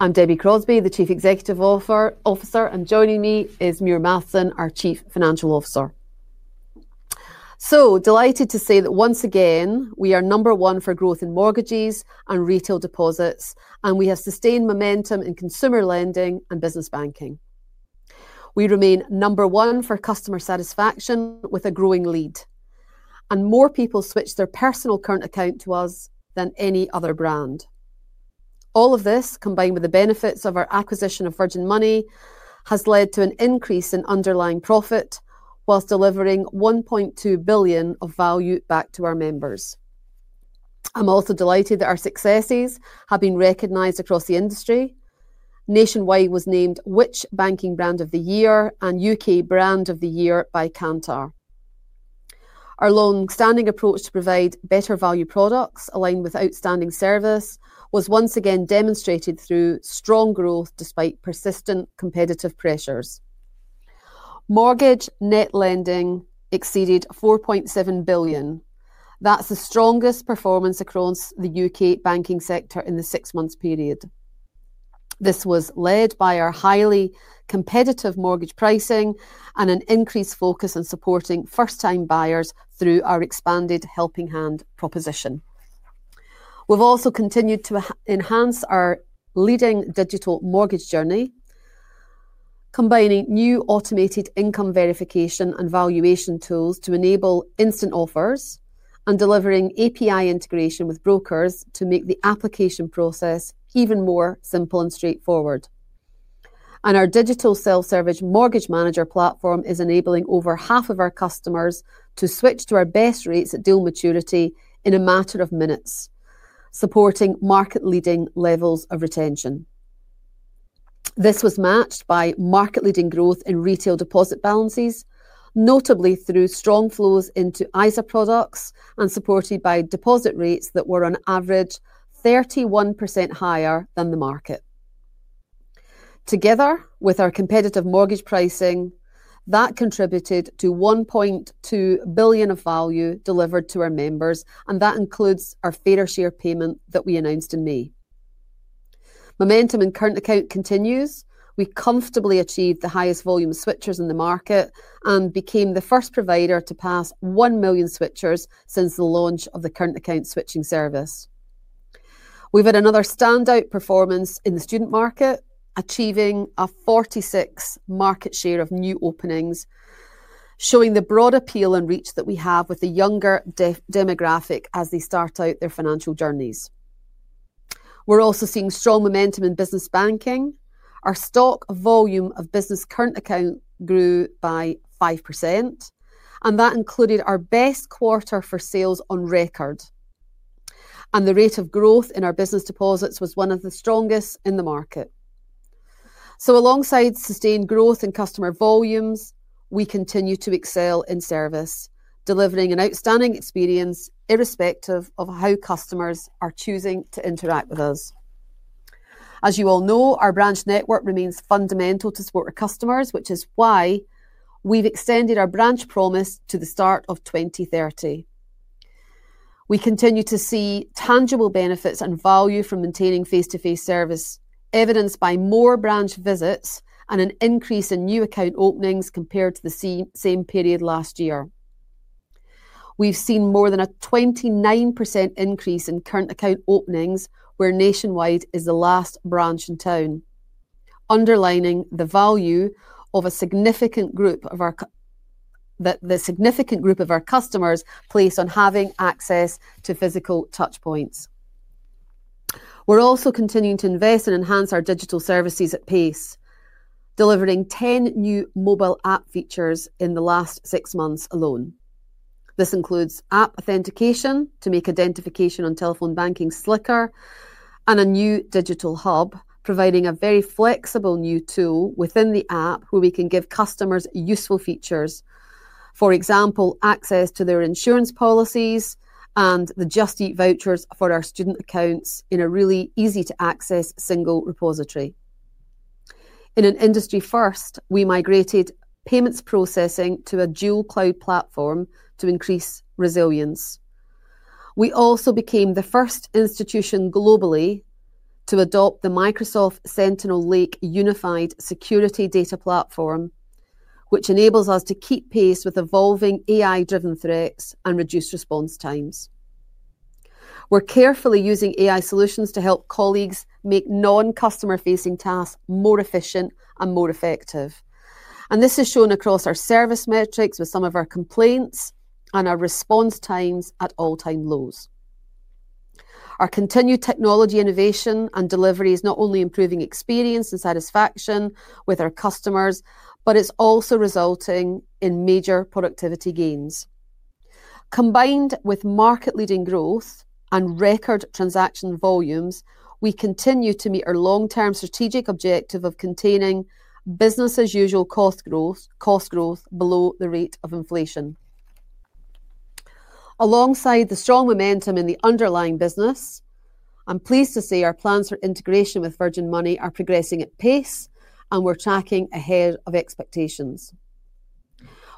I'm Debbie Crosbie, the Chief Executive Officer, and joining me is Muir Mathieson, our Chief Financial Officer. Delighted to say that once again we are number one for growth in mortgages and retail deposits, and we have sustained momentum in consumer lending and business banking. We remain number one for customer satisfaction with a growing lead, and more people switched their personal current account to us than any other brand. All of this, combined with the benefits of our acquisition of Virgin Money, has led to an increase in underlying profit whilst delivering 1.2 billion of value back to our members. I'm also delighted that our successes have been recognised across the industry. Nationwide was named which banking brand of the year and U.K. brand of the year by Kantar. Our long-standing approach to provide better value products, aligned with outstanding service, was once again demonstrated through strong growth despite persistent competitive pressures. Mortgage net lending exceeded 4.7 billion. That is the strongest performance across the U.K. banking sector in the six-month period. This was led by our highly competitive mortgage pricing and an increased focus on supporting first-time buyers through our expanded Helping Hand proposition. We have also continued to enhance our leading digital mortgage journey, combining new automated income verification and valuation tools to enable instant offers and delivering API integration with brokers to make the application process even more simple and straightforward. Our digital self-service Mortgage Manager platform is enabling over half of our customers to switch to our best rates at dual maturity in a matter of minutes, supporting market-leading levels of retention. This was matched by market-leading growth in retail deposit balances, notably through strong flows into ISA products and supported by deposit rates that were on average 31% higher than the market. Together with our competitive mortgage pricing, that contributed to 1.2 billion of value delivered to our members, and that includes our Fair Share payment that we announced in May. Momentum in current account continues. We comfortably achieved the highest volume of switchers in the market and became the first provider to pass 1 million switchers since the launch of the current account switching service. We've had another standout performance in the student market, achieving a 46% market share of new openings, showing the broad appeal and reach that we have with the younger demographic as they start out their financial journeys. We're also seeing strong momentum in business banking. Our stock volume of business current account grew by 5%, and that included our best quarter for sales on record. The rate of growth in our business deposits was one of the strongest in the market. Alongside sustained growth in customer volumes, we continue to excel in service, delivering an outstanding experience irrespective of how customers are choosing to interact with us. As you all know, our branch network remains fundamental to support our customers, which is why we have extended our branch promise to the start of 2030. We continue to see tangible benefits and value from maintaining face-to-face service, evidenced by more branch visits and an increase in new account openings compared to the same period last year. We've seen more than a 29% increase in current account openings, where Nationwide is the last branch in town, underlining the value a significant group of our customers place on having access to physical touch points. We're also continuing to invest and enhance our digital services at pace, delivering 10 new mobile app features in the last six months alone. This includes app authentication to make identification on telephone banking slicker and a new digital hub, providing a very flexible new tool within the app where we can give customers useful features. For example, access to their insurance policies and the Just Eat vouchers for our student accounts in a really easy-to-access single repository. In an industry first, we migrated payments processing to a dual cloud platform to increase resilience. We also became the first institution globally to adopt the Microsoft Sentinel Lake Unified Security Data Platform, which enables us to keep pace with evolving AI-driven threats and reduce response times. We are carefully using AI solutions to help colleagues make non-customer-facing tasks more efficient and more effective. This is shown across our service metrics with some of our complaints and our response times at all-time lows. Our continued technology innovation and delivery is not only improving experience and satisfaction with our customers, but it is also resulting in major productivity gains. Combined with market-leading growth and record transaction volumes, we continue to meet our long-term strategic objective of containing business-as-usual cost growth below the rate of inflation. Alongside the strong momentum in the underlying business, I am pleased to say our plans for integration with Virgin Money are progressing at pace, and we are tracking ahead of expectations.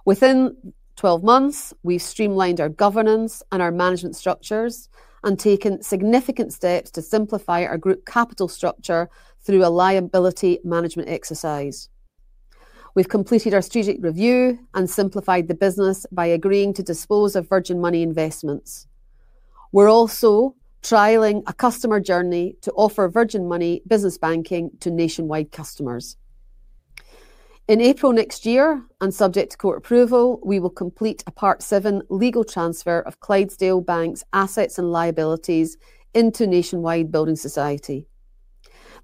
Within 12 months, we've streamlined our governance and our management structures and taken significant steps to simplify our group capital structure through a liability management exercise. We've completed our strategic review and simplified the business by agreeing to dispose of Virgin Money investments. We're also trialling a customer journey to offer Virgin Money business banking to Nationwide customers. In April next year, and subject to court approval, we will complete a Part 7 legal transfer of Clydesdale Bank's assets and liabilities into Nationwide Building Society.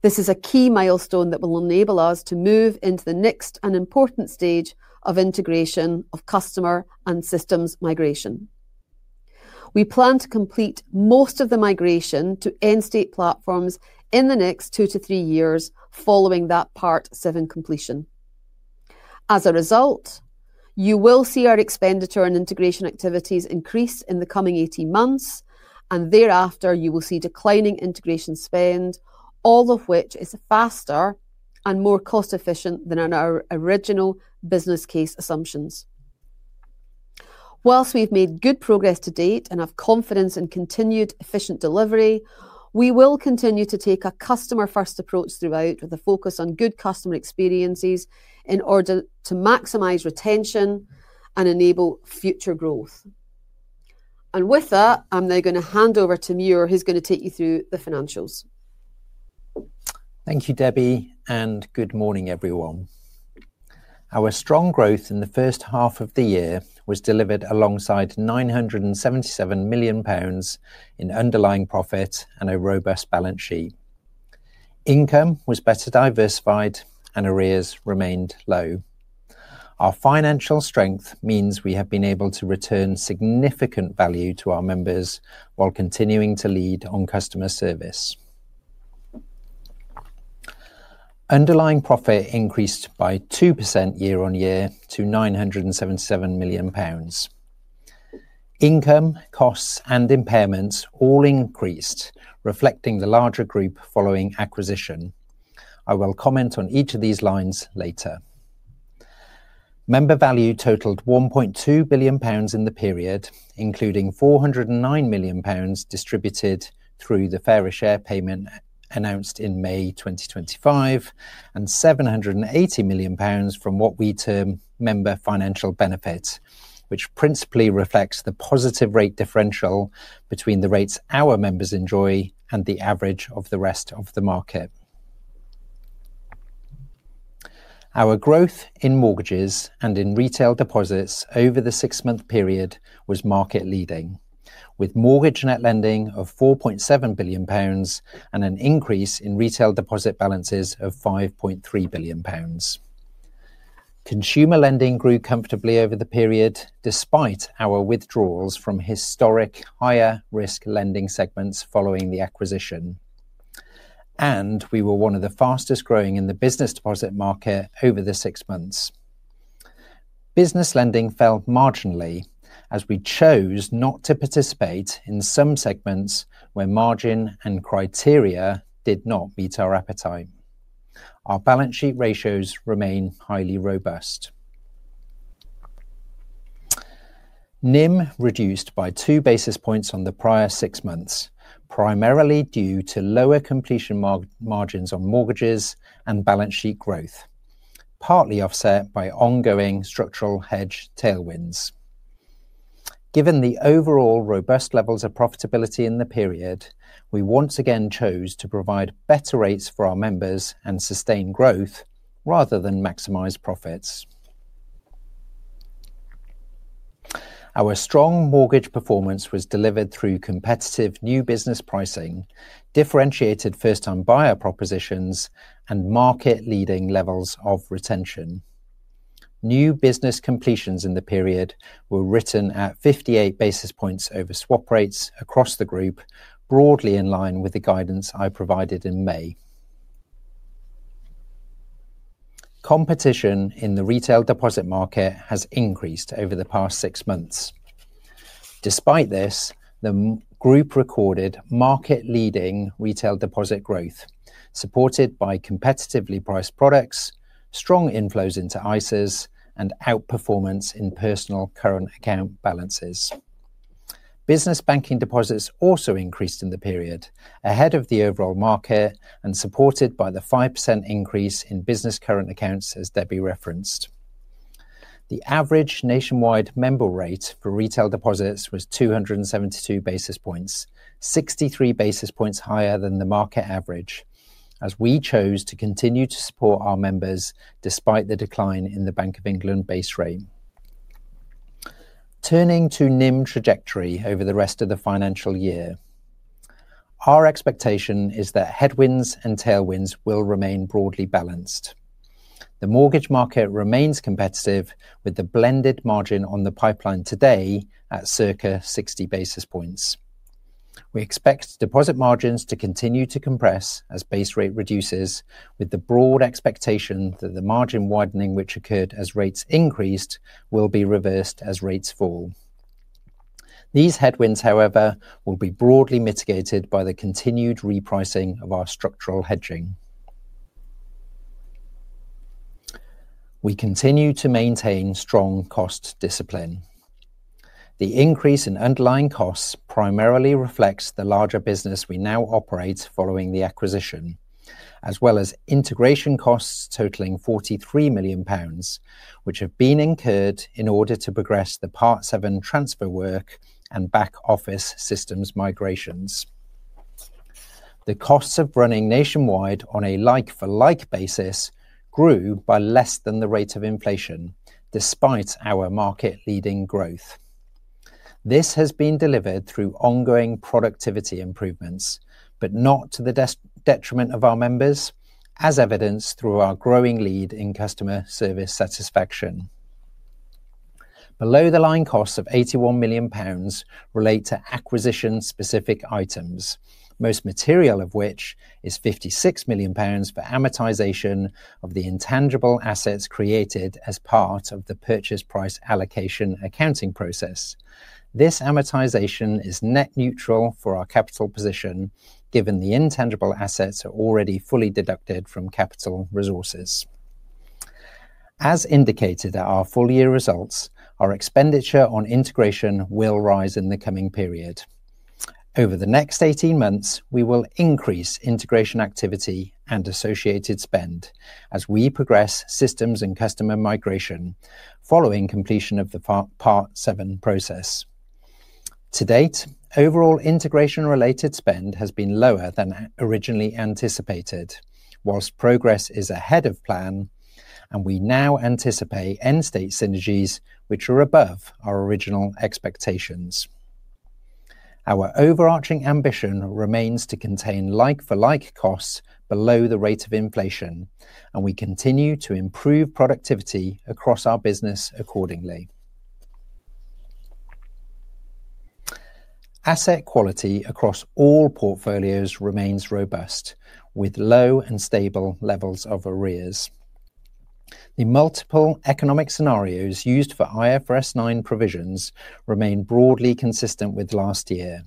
This is a key milestone that will enable us to move into the next and important stage of integration of customer and systems migration. We plan to complete most of the migration to end-state platforms in the next two to three years following that Part 7 completion. As a result, you will see our expenditure and integration activities increase in the coming 18 months, and thereafter you will see declining integration spend, all of which is faster and more cost-efficient than our original business case assumptions. Whilst we've made good progress to date and have confidence in continued efficient delivery, we will continue to take a customer-first approach throughout with a focus on good customer experiences in order to maximise retention and enable future growth. With that, I'm now going to hand over to Muir, who's going to take you through the financials. Thank you, Debbie, and good morning, everyone. Our strong growth in the first half of the year was delivered alongside 977 million pounds in underlying profit and a robust balance sheet. Income was better diversified, and arrears remained low. Our financial strength means we have been able to return significant value to our members while continuing to lead on customer service. Underlying profit increased by 2% year on year to 977 million pounds. Income, costs, and impairments all increased, reflecting the larger group following acquisition. I will comment on each of these lines later. Member value totaled 1.2 billion pounds in the period, including 409 million pounds distributed through the Fair Share payment announced in May 2025 and 780 million pounds from what we term member financial benefit, which principally reflects the positive rate differential between the rates our members enjoy and the average of the rest of the market. Our growth in mortgages and in retail deposits over the six-month period was market-leading, with mortgage net lending of 4.7 billion pounds and an increase in retail deposit balances of 5.3 billion pounds. Consumer lending grew comfortably over the period despite our withdrawals from historic higher-risk lending segments following the acquisition, and we were one of the fastest growing in the business deposit market over the six months. Business lending fell marginally as we chose not to participate in some segments where margin and criteria did not meet our appetite. Our balance sheet ratios remain highly robust. NIM reduced by two basis points on the prior six months, primarily due to lower completion margins on mortgages and balance sheet growth, partly offset by ongoing structural hedge tailwinds. Given the overall robust levels of profitability in the period, we once again chose to provide better rates for our members and sustain growth rather than maximize profits. Our strong mortgage performance was delivered through competitive new business pricing, differentiated first-time buyer propositions, and market-leading levels of retention. New business completions in the period were written at 58 basis points over swap rates across the group, broadly in line with the guidance I provided in May. Competition in the retail deposit market has increased over the past six months. Despite this, the group recorded market-leading retail deposit growth, supported by competitively priced products, strong inflows into ISAs, and outperformance in personal current account balances. Business banking deposits also increased in the period, ahead of the overall market and supported by the 5% increase in business current accounts, as Debbie referenced. The average Nationwide member rate for retail deposits was 272 basis points, 63 basis points higher than the market average, as we chose to continue to support our members despite the decline in the Bank of England base rate. Turning to NIM trajectory over the rest of the financial year, our expectation is that headwinds and tailwinds will remain broadly balanced. The mortgage market remains competitive with the blended margin on the pipeline today at circa 60 basis points. We expect deposit margins to continue to compress as base rate reduces, with the broad expectation that the margin widening which occurred as rates increased will be reversed as rates fall. These headwinds, however, will be broadly mitigated by the continued repricing of our structural hedging. We continue to maintain strong cost discipline. The increase in underlying costs primarily reflects the larger business we now operate following the acquisition, as well as integration costs totaling 43 million pounds, which have been incurred in order to progress the Part 7 transfer work and back office systems migrations. The costs of running Nationwide on a like-for-like basis grew by less than the rate of inflation, despite our market-leading growth. This has been delivered through ongoing productivity improvements, but not to the detriment of our members, as evidenced through our growing lead in customer service satisfaction. Below-the-line costs of 81 million pounds relate to acquisition-specific items, most material of which is 56 million pounds for amortization of the intangible assets created as part of the purchase price allocation accounting process. This amortization is net neutral for our capital position, given the intangible assets are already fully deducted from capital resources. As indicated at our full-year results, our expenditure on integration will rise in the coming period. Over the next 18 months, we will increase integration activity and associated spend as we progress systems and customer migration following completion of the Part 7 process. To date, overall integration-related spend has been lower than originally anticipated, whilst progress is ahead of plan, and we now anticipate end-state synergies, which are above our original expectations. Our overarching ambition remains to contain like-for-like costs below the rate of inflation, and we continue to improve productivity across our business accordingly. Asset quality across all portfolios remains robust, with low and stable levels of arrears. The multiple economic scenarios used for IFRS 9 provisions remain broadly consistent with last year.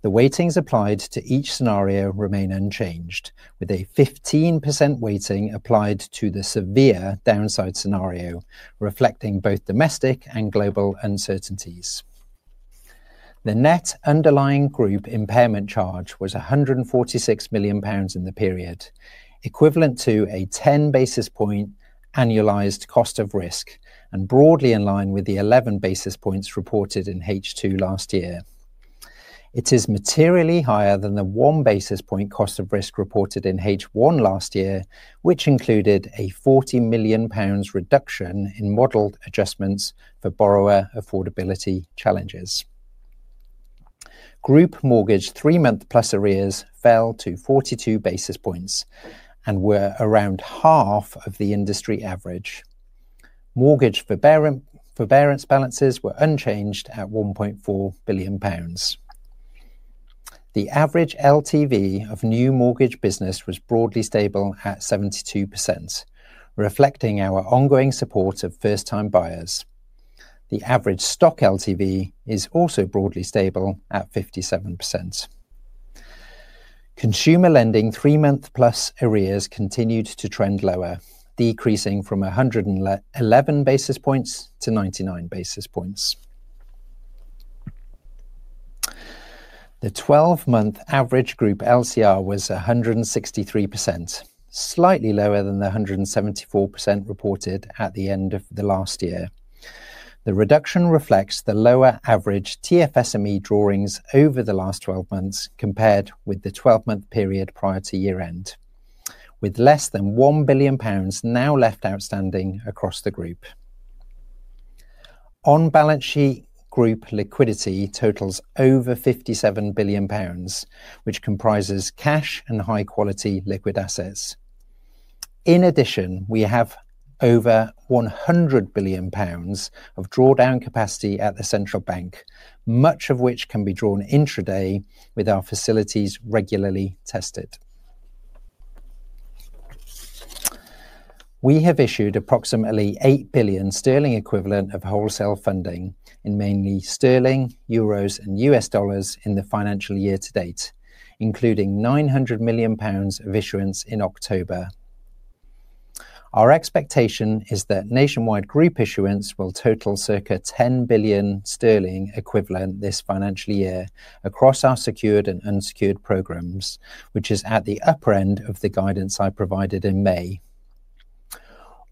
The weightings applied to each scenario remain unchanged, with a 15% weighting applied to the severe downside scenario, reflecting both domestic and global uncertainties. The net underlying group impairment charge was 146 million pounds in the period, equivalent to a 10 basis point annualized cost of risk, and broadly in line with the 11 basis points reported in H2 last year. It is materially higher than the 1 basis point cost of risk reported in H1 last year, which included a 40 million pounds reduction in modeled adjustments for borrower affordability challenges. Group mortgage three-month plus arrears fell to 42 basis points and were around half of the industry average. Mortgage forbearance balances were unchanged at 1.4 billion pounds. The average LTV of new mortgage business was broadly stable at 72%, reflecting our ongoing support of first-time buyers. The average stock LTV is also broadly stable at 57%. Consumer lending three-month plus arrears continued to trend lower, decreasing from 111 basis points to 99 basis points. The 12-month average group LCR was 163%, slightly lower than the 174% reported at the end of the last year. The reduction reflects the lower average TFSME drawings over the last 12 months compared with the 12-month period prior to year-end, with less than 1 billion pounds now left outstanding across the group. On-balance sheet group liquidity totals over 57 billion pounds, which comprises cash and high-quality liquid assets. In addition, we have over 100 billion pounds of drawdown capacity at the central bank, much of which can be drawn intraday with our facilities regularly tested. We have issued approximately 8 billion sterling equivalent of wholesale funding in mainly sterling, euros, and US dollars in the financial year to date, including 900 million pounds of issuance in October. Our expectation is that Nationwide group issuance will total circa 10 billion sterling equivalent this financial year across our secured and unsecured programs, which is at the upper end of the guidance I provided in May.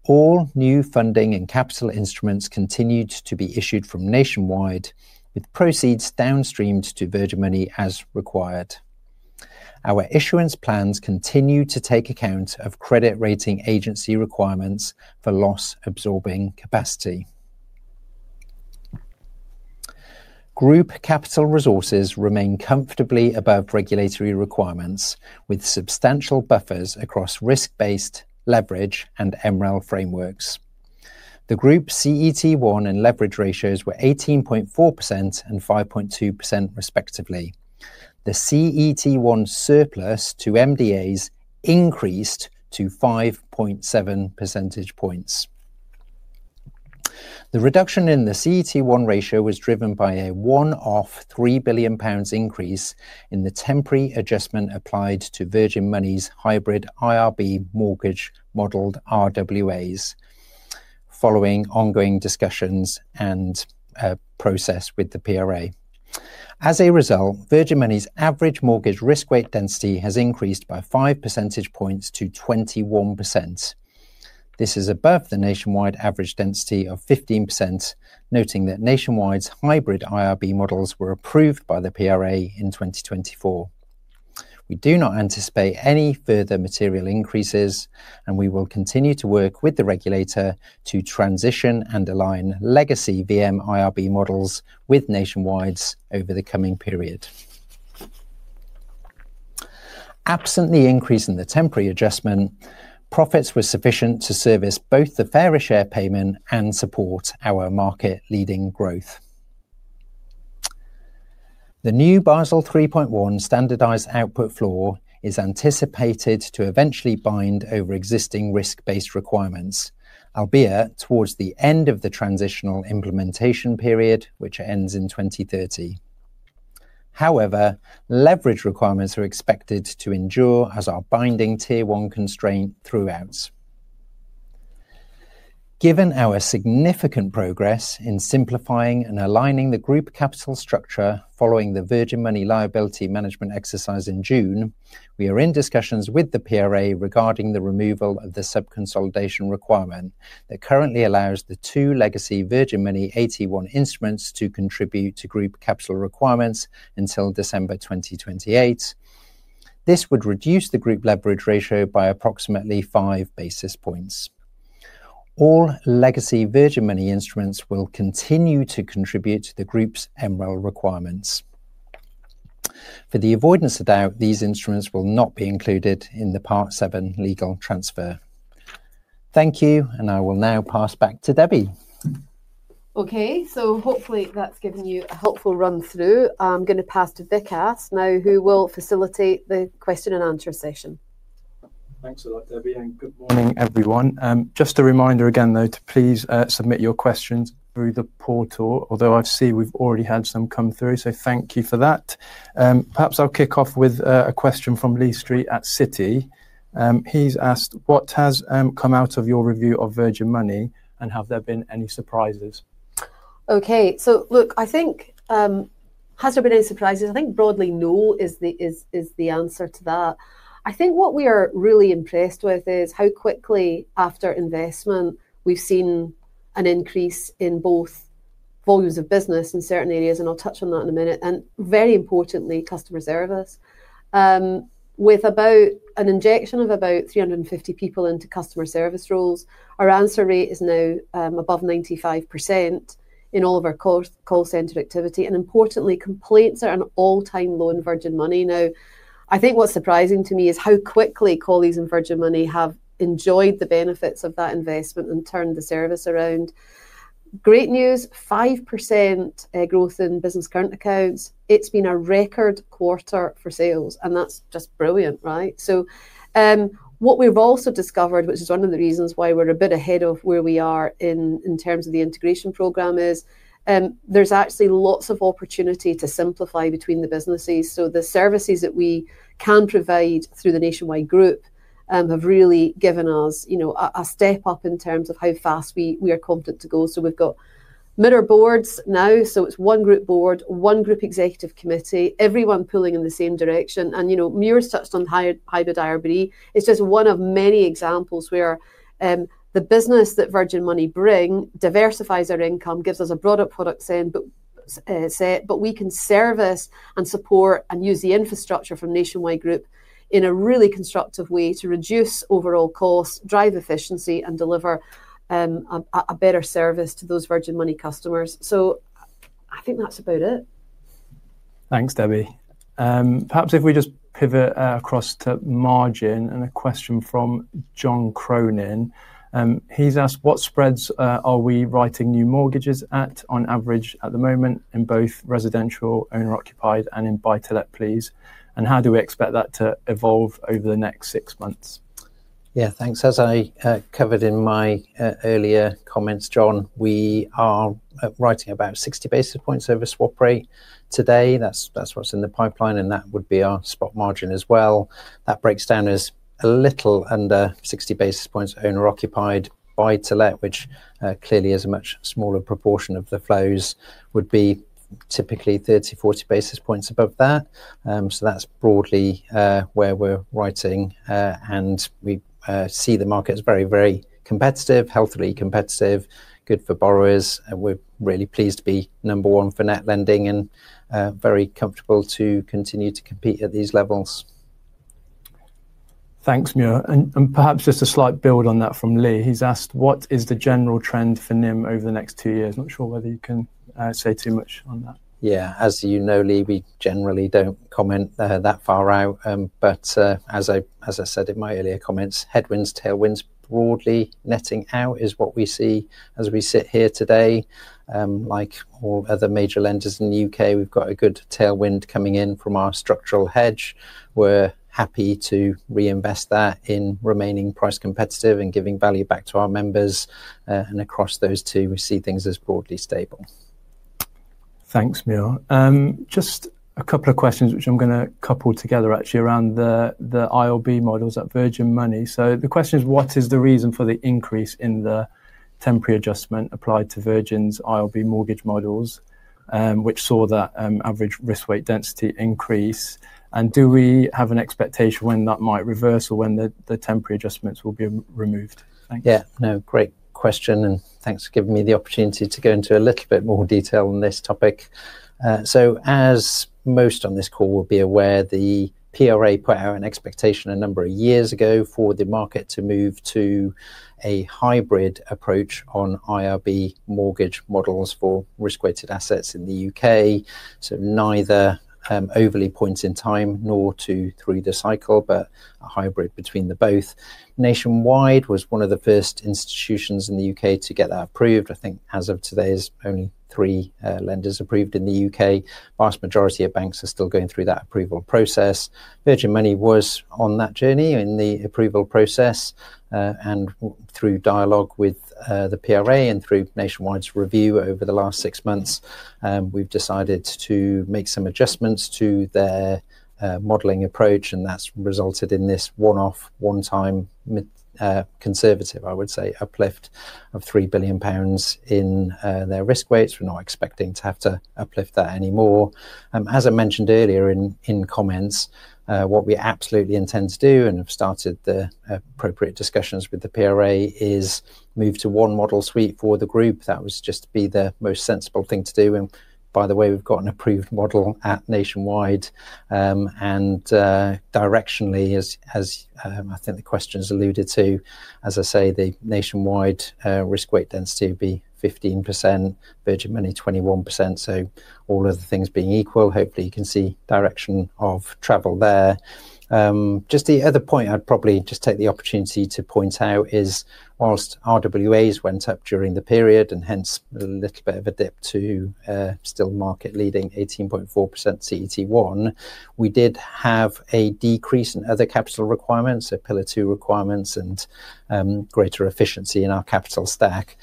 All new funding and capital instruments continued to be issued from Nationwide, with proceeds downstream to Virgin Money as required. Our issuance plans continue to take account of credit rating agency requirements for loss-absorbing capacity. Group capital resources remain comfortably above regulatory requirements, with substantial buffers across risk-based, leverage, and Emerail frameworks. The group CET1 and leverage ratios were 18.4% and 5.2%, respectively. The CET1 surplus to MDAs increased to 5.7 percentage points. The reduction in the CET1 ratio was driven by a 1 billion-3 billion pounds increase in the temporary adjustment applied to Virgin Money's hybrid IRB mortgage modelled RWAs, following ongoing discussions and process with the PRA. As a result, Virgin Money's average mortgage risk-weight density has increased by 5 percentage points to 21%. This is above the Nationwide average density of 15%, noting that Nationwide's hybrid IRB models were approved by the PRA in 2024. We do not anticipate any further material increases, and we will continue to work with the regulator to transition and align legacy VM IRB models with Nationwide's over the coming period. Absent the increase in the temporary adjustment, profits were sufficient to service both the Fair Share payment and support our market-leading growth. The new Basel 3.1 standardised output floor is anticipated to eventually bind over existing risk-based requirements, albeit towards the end of the transitional implementation period, which ends in 2030. However, leverage requirements are expected to endure as our binding tier one constraint throughout. Given our significant progress in simplifying and aligning the group capital structure following the Virgin Money liability management exercise in June, we are in discussions with the PRA regarding the removal of the sub-consolidation requirement that currently allows the two legacy Virgin Money 81 instruments to contribute to group capital requirements until December 2028. This would reduce the group leverage ratio by approximately five basis points. All legacy Virgin Money instruments will continue to contribute to the group's Emerail requirements. For the avoidance of doubt, these instruments will not be included in the Part 7 legal transfer. Thank you, and I will now pass back to Debbie. Okay, hopefully that's given you a helpful run-through. I'm going to pass to Vikas now, who will facilitate the question and answer session. Thanks a lot, Debbie, and good morning, everyone. Just a reminder again, though, to please submit your questions through the portal, although I see we have already had some come through, so thank you for that. Perhaps I will kick off with a question from Lee Street at Citi. He has asked, what has come out of your review of Virgin Money, and have there been any surprises? Okay, look, I think, has there been any surprises? I think broadly no is the answer to that. I think what we are really impressed with is how quickly after investment we have seen an increase in both volumes of business in certain areas, and I will touch on that in a minute, and very importantly, customer service. With an injection of about 350 people into customer service roles, our answer rate is now above 95% in all of our call center activity, and importantly, complaints are at an all-time low in Virgin Money. Now, I think what's surprising to me is how quickly colleagues in Virgin Money have enjoyed the benefits of that investment and turned the service around. Great news, 5% growth in business current accounts. It's been a record quarter for sales, and that's just brilliant, right? What we've also discovered, which is one of the reasons why we're a bit ahead of where we are in terms of the integration program, is there's actually lots of opportunity to simplify between the businesses. The services that we can provide through the Nationwide group have really given us a step up in terms of how fast we are confident to go. We've got mirror boards now, so it's one group board, one group executive committee, everyone pulling in the same direction. Muir's touched on hybrid IRB. It's just one of many examples where the business that Virgin Money brings diversifies our income, gives us a broader product set, but we can service and support and use the infrastructure from Nationwide group in a really constructive way to reduce overall costs, drive efficiency, and deliver a better service to those Virgin Money customers. I think that's about it. Thanks, Debbie. Perhaps if we just pivot across to margin and a question from John Cronin. He's asked, what spreads are we writing new mortgages at on average at the moment in both residential, owner-occupied, and in buy-to-let, please? How do we expect that to evolve over the next six months? Yeah, thanks. As I covered in my earlier comments, John, we are writing about 60 basis points over swap rate today. That's what's in the pipeline, and that would be our spot margin as well. That breaks down as a little under 60 basis points owner-occupied buy-to-let, which clearly is a much smaller proportion of the flows, would be typically 30-40 basis points above that. That is broadly where we are writing, and we see the market as very, very competitive, healthily competitive, good for borrowers. We are really pleased to be number one for net lending and very comfortable to continue to compete at these levels. Thanks, Muir. Perhaps just a slight build on that from Lee. He has asked, what is the general trend for NIM over the next two years? Not sure whether you can say too much on that. Yeah, as you know, Lee, we generally do not comment that far out. As I said in my earlier comments, headwinds, tailwinds, broadly netting out is what we see as we sit here today. Like all other major lenders in the U.K., we've got a good tailwind coming in from our structural hedge. We're happy to reinvest that in remaining price competitive and giving value back to our members. Across those two, we see things as broadly stable. Thanks, Muir. Just a couple of questions, which I'm going to couple together actually around the IRB models at Virgin Money. The question is, what is the reason for the increase in the temporary adjustment applied to Virgin's IRB mortgage models, which saw that average risk-weight density increase? Do we have an expectation when that might reverse or when the temporary adjustments will be removed? Thanks. Yeah, no, great question, and thanks for giving me the opportunity to go into a little bit more detail on this topic. As most on this call will be aware, the PRA put out an expectation a number of years ago for the market to move to a hybrid approach on IRB mortgage models for risk-weighted assets in the U.K. Neither overly points in time nor too through the cycle, but a hybrid between the both. Nationwide was one of the first institutions in the U.K. to get that approved. I think as of today, there are only three lenders approved in the U.K. The vast majority of banks are still going through that approval process. Virgin Money was on that journey in the approval process, and through dialogue with the PRA and through Nationwide's review over the last six months, we have decided to make some adjustments to their modeling approach, and that has resulted in this one-off, one-time conservative, I would say, uplift of 3 billion pounds in their risk weights. We're not expecting to have to uplift that anymore. As I mentioned earlier in comments, what we absolutely intend to do and have started the appropriate discussions with the PRA is move to one model suite for the group. That was just to be the most sensible thing to do. By the way, we've got an approved model at Nationwide. Directionally, as I think the question's alluded to, as I say, the Nationwide risk-weight density would be 15%, Virgin Money 21%. All of the things being equal, hopefully you can see direction of travel there. Just the other point I'd probably just take the opportunity to point out is whilst RWAs went up during the period and hence a little bit of a dip to still market-leading 18.4% CET1, we did have a decrease in other capital requirements, so pillar two requirements and greater efficiency in our capital stack.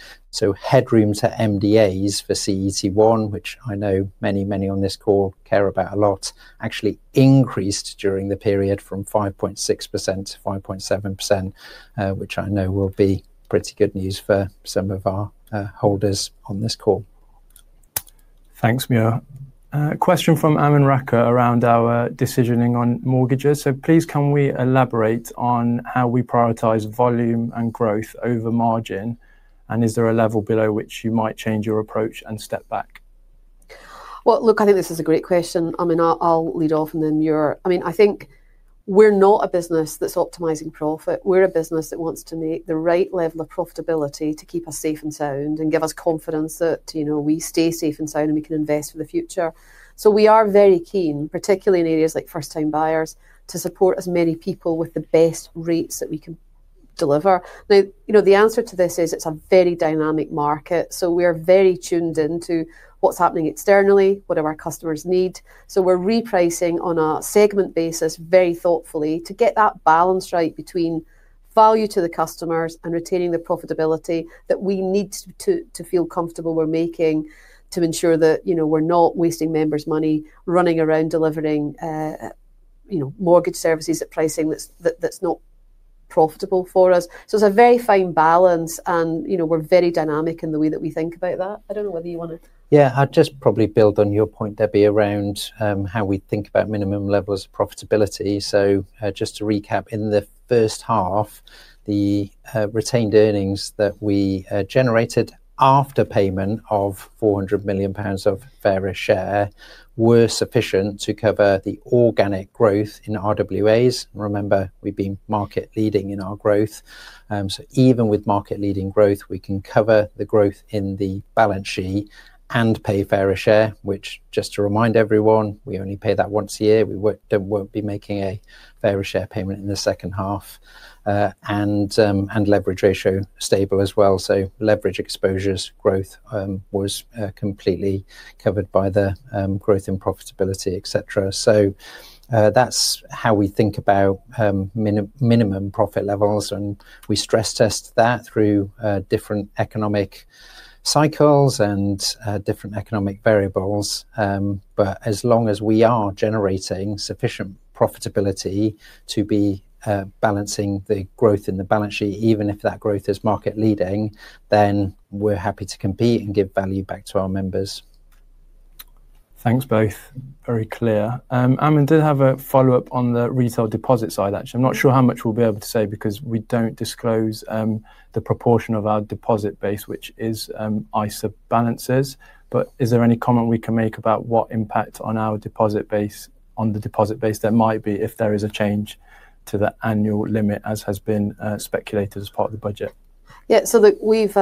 Headroom to MDAs for CET1, which I know many, many on this call care about a lot, actually increased during the period from 5.6% to 5.7%, which I know will be pretty good news for some of our holders on this call. Thanks, Muir. Question from Amun Raka around our decisioning on mortgages. Please, can we elaborate on how we prioritise volume and growth over margin? Is there a level below which you might change your approach and step back? I think this is a great question. I mean, I'll lead off and then Muir. I mean, I think we're not a business that's optimizing profit. We're a business that wants to make the right level of profitability to keep us safe and sound and give us confidence that we stay safe and sound and we can invest for the future. We are very keen, particularly in areas like first-time buyers, to support as many people with the best rates that we can deliver. Now, you know, the answer to this is it's a very dynamic market. We are very tuned into what's happening externally, what do our customers need. We're repricing on a segment basis very thoughtfully to get that balance right between value to the customers and retaining the profitability that we need to feel comfortable we're making to ensure that we're not wasting members' money running around delivering mortgage services at pricing that's not profitable for us. It's a very fine balance, and we're very dynamic in the way that we think about that. I don't know whether you want to. Yeah, I'd just probably build on your point, Debbie, around how we think about minimum levels of profitability. Just to recap, in the first half, the retained earnings that we generated after payment of 400 million pounds of fair share were sufficient to cover the organic growth in RWAs. Remember, we've been market-leading in our growth. Even with market-leading growth, we can cover the growth in the balance sheet and pay Fair Share, which, just to remind everyone, we only pay that once a year. We will not be making a Fair Share payment in the second half. Leverage ratio stable as well. Leverage exposures growth was completely covered by the growth in profitability, etc. That is how we think about minimum profit levels, and we stress test that through different economic cycles and different economic variables. As long as we are generating sufficient profitability to be balancing the growth in the balance sheet, even if that growth is market-leading, then we are happy to compete and give value back to our members. Thanks both. Very clear. Amun did have a follow-up on the retail deposit side, actually. I'm not sure how much we'll be able to say because we don't disclose the proportion of our deposit base, which is ISA balances. Is there any comment we can make about what impact on our deposit base, on the deposit base there might be if there is a change to the annual limit, as has been speculated as part of the budget? Yeah, we've,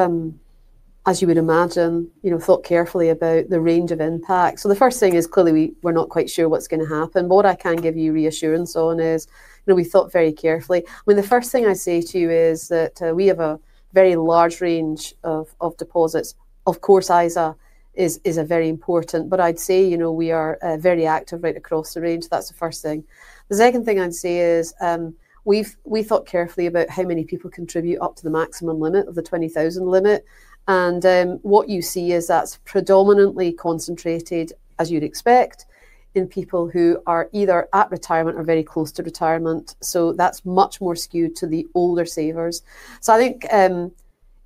as you would imagine, thought carefully about the range of impact. The first thing is clearly we're not quite sure what's going to happen. What I can give you reassurance on is we thought very carefully. The first thing I say to you is that we have a very large range of deposits. Of course, ISA is very important, but I'd say we are very active right across the range. That's the first thing. The second thing I'd say is we thought carefully about how many people contribute up to the maximum limit of the 20,000 limit. What you see is that's predominantly concentrated, as you'd expect, in people who are either at retirement or very close to retirement. That's much more skewed to the older savers. I think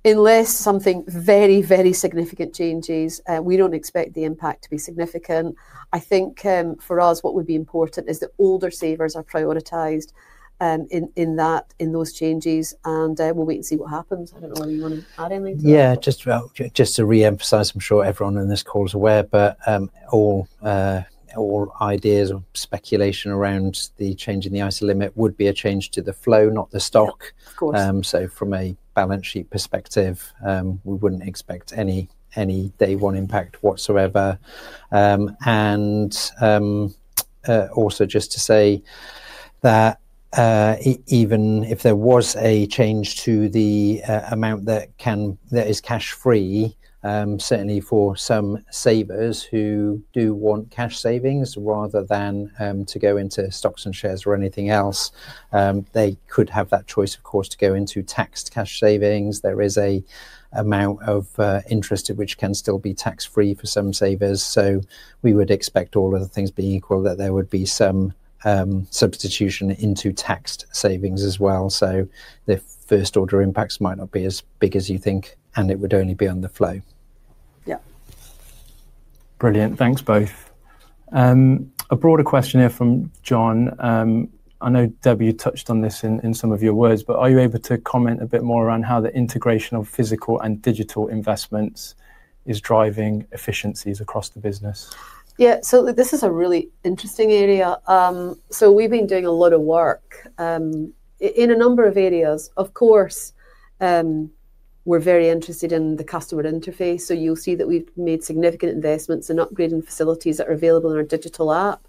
unless something very, very significant changes, we don't expect the impact to be significant. I think for us, what would be important is that older savers are prioritized in those changes, and we'll wait and see what happens. I don't know whether you want to add anything to that. Yeah, just to re-emphasize, I'm sure everyone on this call is aware, but all ideas of speculation around the change in the ISA limit would be a change to the flow, not the stock. From a balance sheet perspective, we would not expect any day-one impact whatsoever. Also, just to say that even if there was a change to the amount that is cash-free, certainly for some savers who do want cash savings rather than to go into stocks and shares or anything else, they could have that choice, of course, to go into taxed cash savings. There is an amount of interest at which can still be tax-free for some savers. We would expect all of the things being equal that there would be some substitution into taxed savings as well. The first-order impacts might not be as big as you think, and it would only be on the flow. Yeah. Brilliant. Thanks both. A broader question here from John. I know Debbie touched on this in some of your words, but are you able to comment a bit more around how the integration of physical and digital investments is driving efficiencies across the business? Yeah, this is a really interesting area. We have been doing a lot of work in a number of areas. Of course, we are very interested in the customer interface. You will see that we have made significant investments in upgrading facilities that are available in our digital app.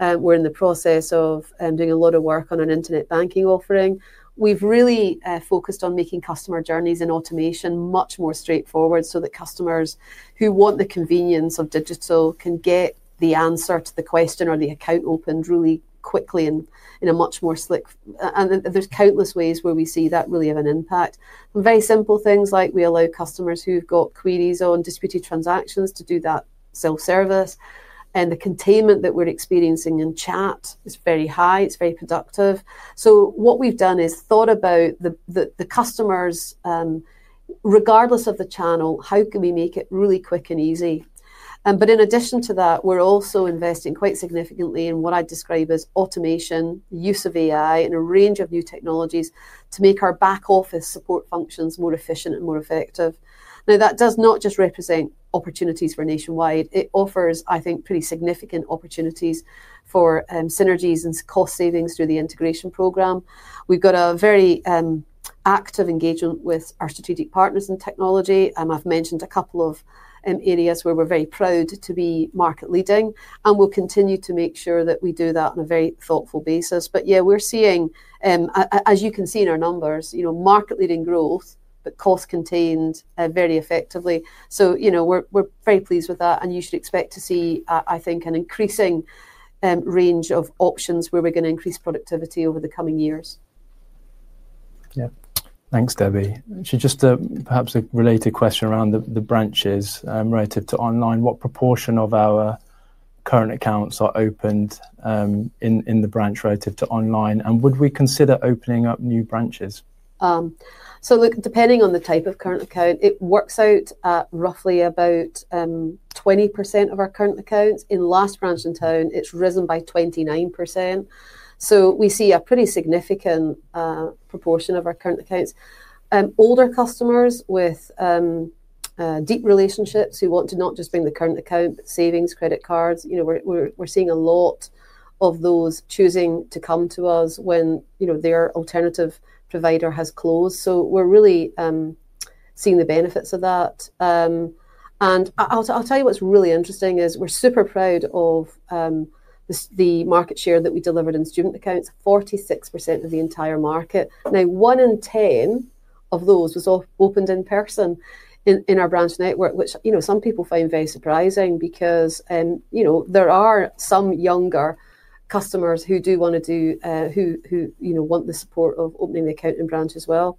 We are in the process of doing a lot of work on an internet banking offering. We have really focused on making customer journeys and automation much more straightforward so that customers who want the convenience of digital can get the answer to the question or the account opened really quickly and in a much more slick way. There are countless ways where we see that really have an impact. Very simple things like we allow customers who've got queries on disputed transactions to do that self-service. The containment that we're experiencing in chat is very high. It's very productive. What we've done is thought about the customers, regardless of the channel, how can we make it really quick and easy? In addition to that, we're also investing quite significantly in what I'd describe as automation, use of AI, and a range of new technologies to make our back-office support functions more efficient and more effective. That does not just represent opportunities for Nationwide. It offers, I think, pretty significant opportunities for synergies and cost savings through the integration program. We've got a very active engagement with our strategic partners in technology. I've mentioned a couple of areas where we're very proud to be market-leading, and we'll continue to make sure that we do that on a very thoughtful basis. Yeah, we're seeing, as you can see in our numbers, market-leading growth, but cost-contained very effectively. We're very pleased with that, and you should expect to see, I think, an increasing range of options where we're going to increase productivity over the coming years. Yeah. Thanks, Debbie. Actually, just perhaps a related question around the branches relative to online. What proportion of our current accounts are opened in the branch relative to online, and would we consider opening up new branches? Look, depending on the type of current account, it works out at roughly about 20% of our current accounts. In last branch in town, it's risen by 29%. We see a pretty significant proportion of our current accounts. Older customers with deep relationships who want to not just bring the current account, but savings, credit cards, we're seeing a lot of those choosing to come to us when their alternative provider has closed. We're really seeing the benefits of that. I'll tell you what's really interesting is we're super proud of the market share that we delivered in student accounts, 46% of the entire market. Now, one in 10 of those was opened in person in our branch network, which some people find very surprising because there are some younger customers who do want to do, who want the support of opening the account in branch as well.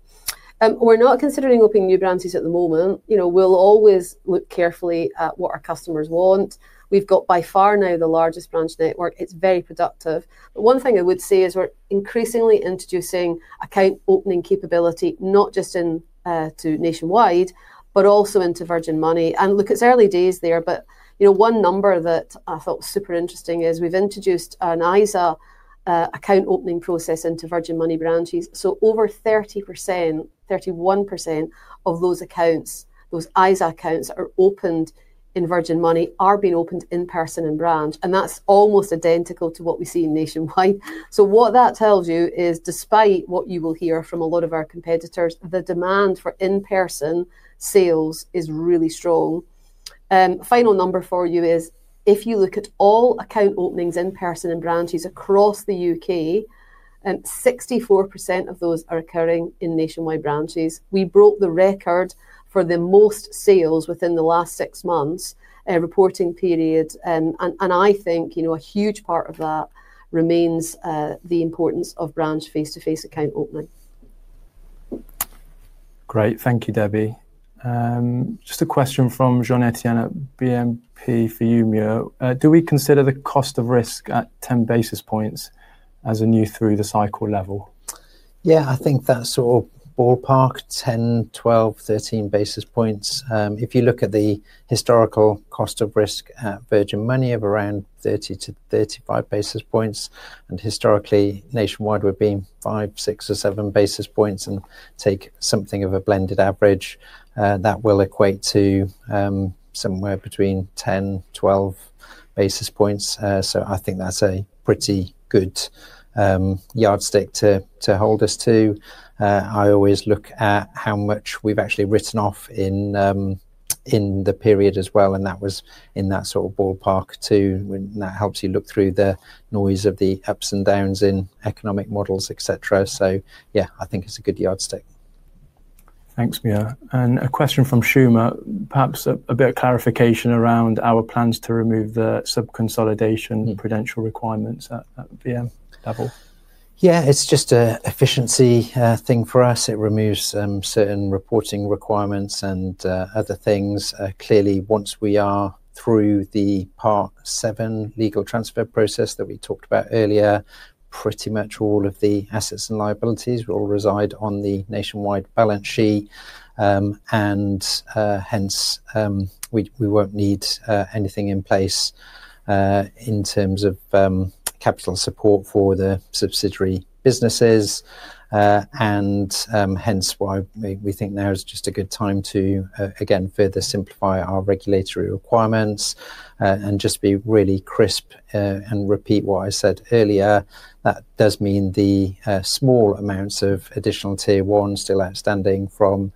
We're not considering opening new branches at the moment. We'll always look carefully at what our customers want. We've got by far now the largest branch network. It's very productive. One thing I would say is we're increasingly introducing account opening capability, not just to Nationwide, but also into Virgin Money. Look, it's early days there, but one number that I thought was super interesting is we've introduced an ISA account opening process into Virgin Money branches. Over 30%, 31% of those accounts, those ISA accounts that are opened in Virgin Money, are being opened in person in branch. That's almost identical to what we see at Nationwide. What that tells you is despite what you will hear from a lot of our competitors, the demand for in-person sales is really strong. Final number for you is if you look at all account openings in person in branches across the U.K., 64% of those are occurring in Nationwide branches. We broke the record for the most sales within the last six months reporting period. I think a huge part of that remains the importance of branch face-to-face account opening. Great. Thank you, Debbie. Just a question from Jean-Etienne at BNP Paribas, Muir. Do we consider the cost of risk at 10 basis points as a new through-the-cycle level? Yeah, I think that's all ballpark, 10, 12, 13 basis points. If you look at the historical cost of risk at Virgin Money of around 30-35 basis points. Historically, Nationwide, we've been five, six, or seven basis points and take something of a blended average. That will equate to somewhere between 10-12 basis points. I think that's a pretty good yardstick to hold us to. I always look at how much we've actually written off in the period as well. That was in that sort of ballpark too. That helps you look through the noise of the ups and downs in economic models, etc. Yeah, I think it's a good yardstick. Thanks, Muir. A question from Shuma, perhaps a bit of clarification around our plans to remove the sub-consolidation credential requirements at BM level. Yeah, it's just an efficiency thing for us. It removes certain reporting requirements and other things. Clearly, once we are through the part seven legal transfer process that we talked about earlier, pretty much all of the assets and liabilities will reside on the Nationwide balance sheet. Hence, we won't need anything in place in terms of capital support for the subsidiary businesses. Hence, why we think now is just a good time to, again, further simplify our regulatory requirements and just be really crisp and repeat what I said earlier. That does mean the small amounts of additional tier one still outstanding from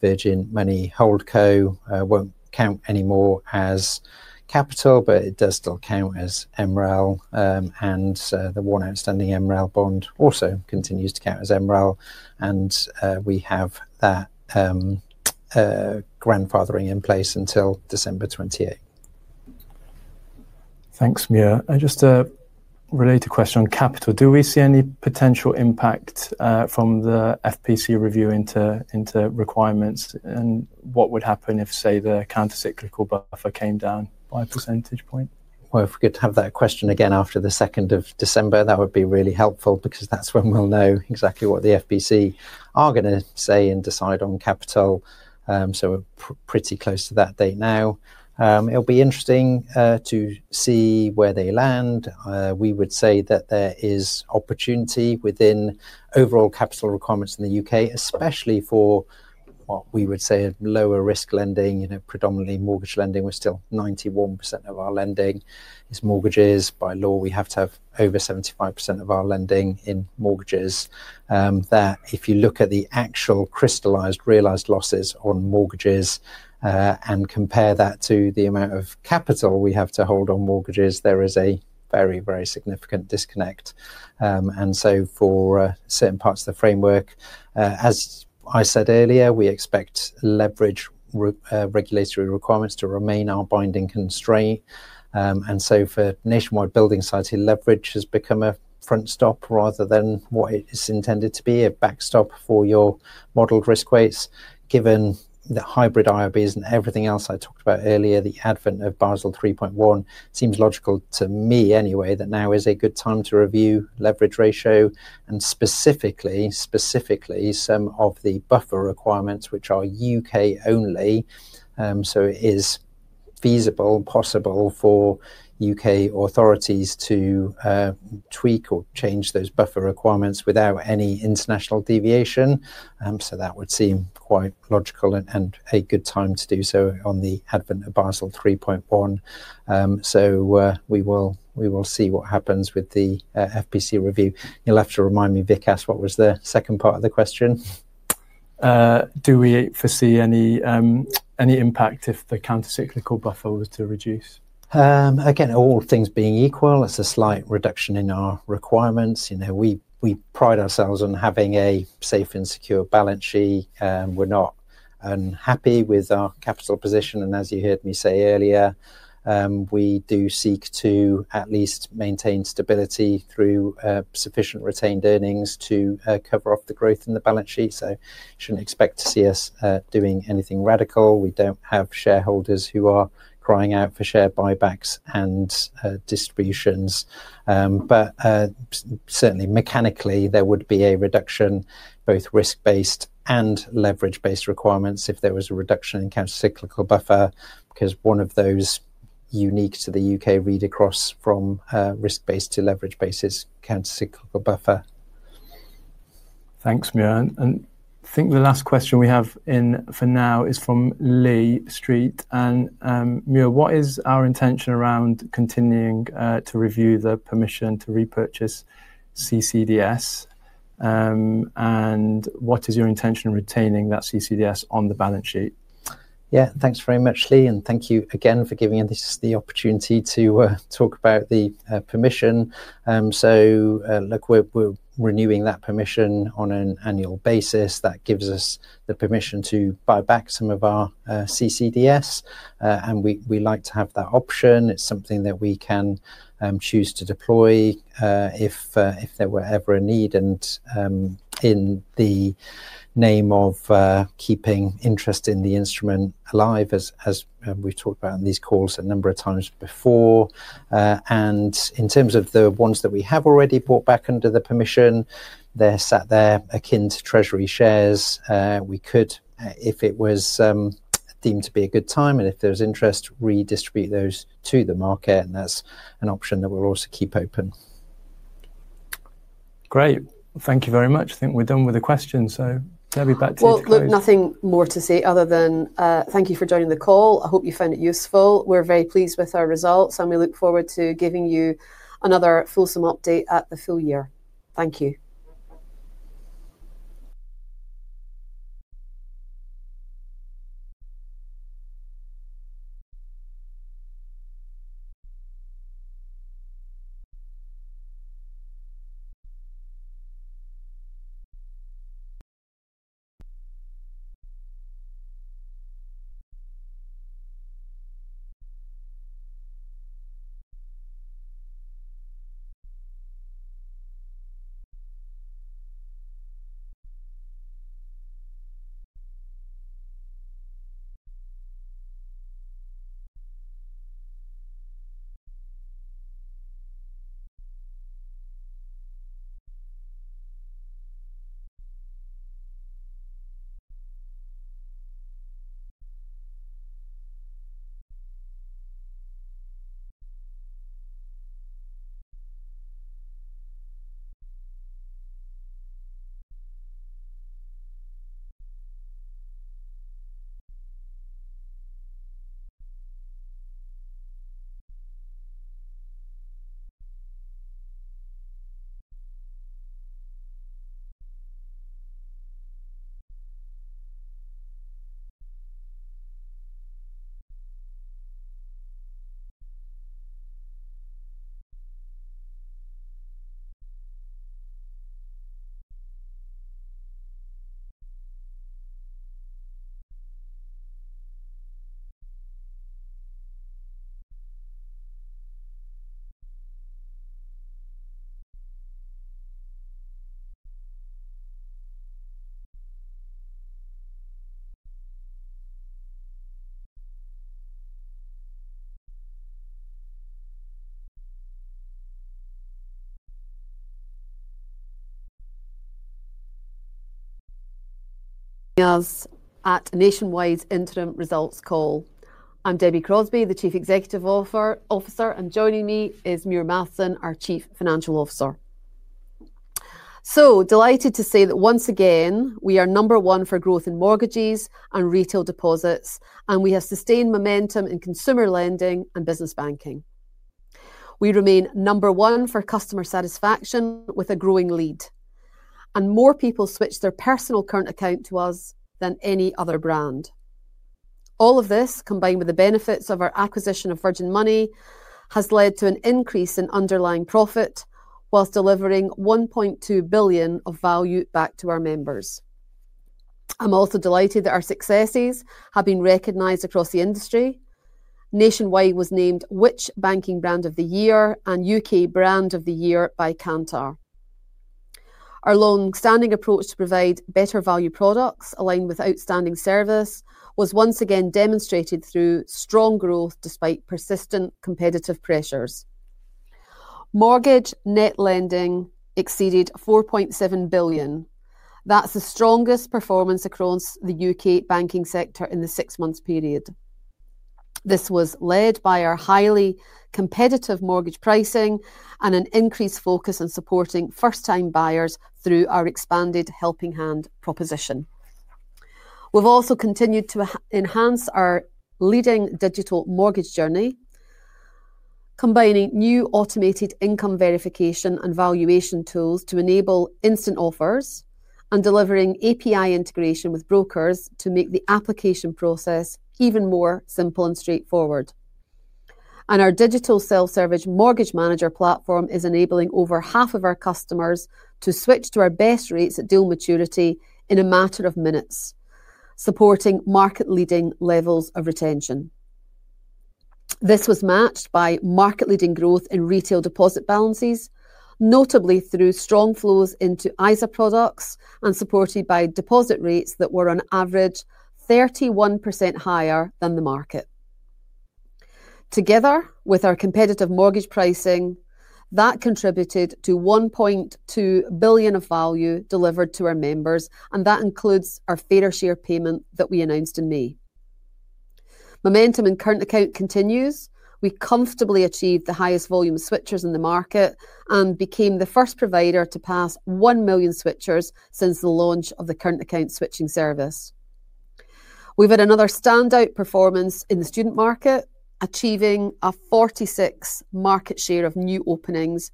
Virgin Money Holdco will not count anymore as capital, but it does still count as Emerail. The one outstanding Emerail bond also continues to count as Emerail. We have that grandfathering in place until December 28th. Thanks, Muir. Just a related question on capital. Do we see any potential impact from the FPC review into requirements? What would happen if, say, the countercyclical buffer came down by a percentage point? If we could have that question again after the 2nd of December, that would be really helpful because that is when we will know exactly what the FPC are going to say and decide on capital. We are pretty close to that date now. It will be interesting to see where they land. We would say that there is opportunity within overall capital requirements in the U.K., especially for what we would say are lower-risk lending, predominantly mortgage lending. We're still 91% of our lending is mortgages. By law, we have to have over 75% of our lending in mortgages. If you look at the actual crystallized realized losses on mortgages and compare that to the amount of capital we have to hold on mortgages, there is a very, very significant disconnect. For certain parts of the framework, as I said earlier, we expect leverage regulatory requirements to remain our binding constraint. For Nationwide Building Society, leverage has become a front stop rather than what it is intended to be, a backstop for your modeled risk weights. Given the hybrid IRBs and everything else I talked about earlier, the advent of Basel 3.1, it seems logical to me anyway that now is a good time to review leverage ratio and specifically some of the buffer requirements, which are U.K. only. It is feasible, possible for U.K. authorities to tweak or change those buffer requirements without any international deviation. That would seem quite logical and a good time to do so on the advent of Basel 3.1. We will see what happens with the FPC review. You'll have to remind me, Vikas, what was the second part of the question. Do we foresee any impact if the countercyclical buffer was to reduce? Again, all things being equal, it's a slight reduction in our requirements. We pride ourselves on having a safe and secure balance sheet. We're not unhappy with our capital position. As you heard me say earlier, we do seek to at least maintain stability through sufficient retained earnings to cover off the growth in the balance sheet. You should not expect to see us doing anything radical. We do not have shareholders who are crying out for share buybacks and distributions. Certainly, mechanically, there would be a reduction in both risk-based and leverage-based requirements if there was a reduction in countercyclical buffer because one of those unique to the U.K. read across from risk-based to leverage-based is countercyclical buffer. Thanks, Muir. I think the last question we have for now is from Lee Street. Muir, what is our intention around continuing to review the permission to repurchase CCDS? What is your intention in retaining that CCDS on the balance sheet? Yeah, thanks very much, Lee. Thank you again for giving us the opportunity to talk about the permission. Look, we're renewing that permission on an annual basis. That gives us the permission to buy back some of our CCDS. We like to have that option. It's something that we can choose to deploy if there were ever a need and in the name of keeping interest in the instrument alive, as we've talked about in these calls a number of times before. In terms of the ones that we have already bought back under the permission, they're sat there akin to treasury shares. We could, if it was deemed to be a good time and if there was interest, redistribute those to the market. That's an option that we'll also keep open. Great. Thank you very much. I think we're done with the questions. Debbie, back to you. Nothing more to say other than thank you for joining the call. I hope you found it useful. We are very pleased with our results, and we look forward to giving you another fulsome update at the full year. Thank you. Meals at Nationwide interim results call. I am Debbie Crosbie, the Chief Executive Officer, and joining me is Muir Matheson, our Chief Financial Officer. Delighted to say that once again, we are number one for growth in mortgages and retail deposits, and we have sustained momentum in consumer lending and business banking. We remain number one for customer satisfaction with a growing lead. More people switched their personal current account to us than any other brand. All of this, combined with the benefits of our acquisition of Virgin Money, has led to an increase in underlying profit whilst delivering 1.2 billion of value back to our members. I'm also delighted that our successes have been recognized across the industry. Nationwide was named Which banking brand of the year and U.K. brand of the year by Kantar. Our long-standing approach to provide better value products aligned with outstanding service was once again demonstrated through strong growth despite persistent competitive pressures. Mortgage net lending exceeded 4.7 billion. That's the strongest performance across the U.K. banking sector in the six-month period. This was led by our highly competitive mortgage pricing and an increased focus on supporting first-time buyers through our expanded Helping Hand proposition. We've also continued to enhance our leading digital mortgage journey, combining new automated income verification and valuation tools to enable instant offers and delivering API integration with brokers to make the application process even more simple and straightforward. Our digital self-service mortgage manager platform is enabling over half of our customers to switch to our best rates at dual maturity in a matter of minutes, supporting market-leading levels of retention. This was matched by market-leading growth in retail deposit balances, notably through strong flows into ISA products and supported by deposit rates that were on average 31% higher than the market. Together with our competitive mortgage pricing, that contributed to 1.2 billion of value delivered to our members, and that includes our Fair Share payment that we announced in May. Momentum in current account continues. We comfortably achieved the highest volume of switchers in the market and became the first provider to pass 1 million switchers since the launch of the current account switching service. We've had another standout performance in the student market, achieving a 46% market share of new openings,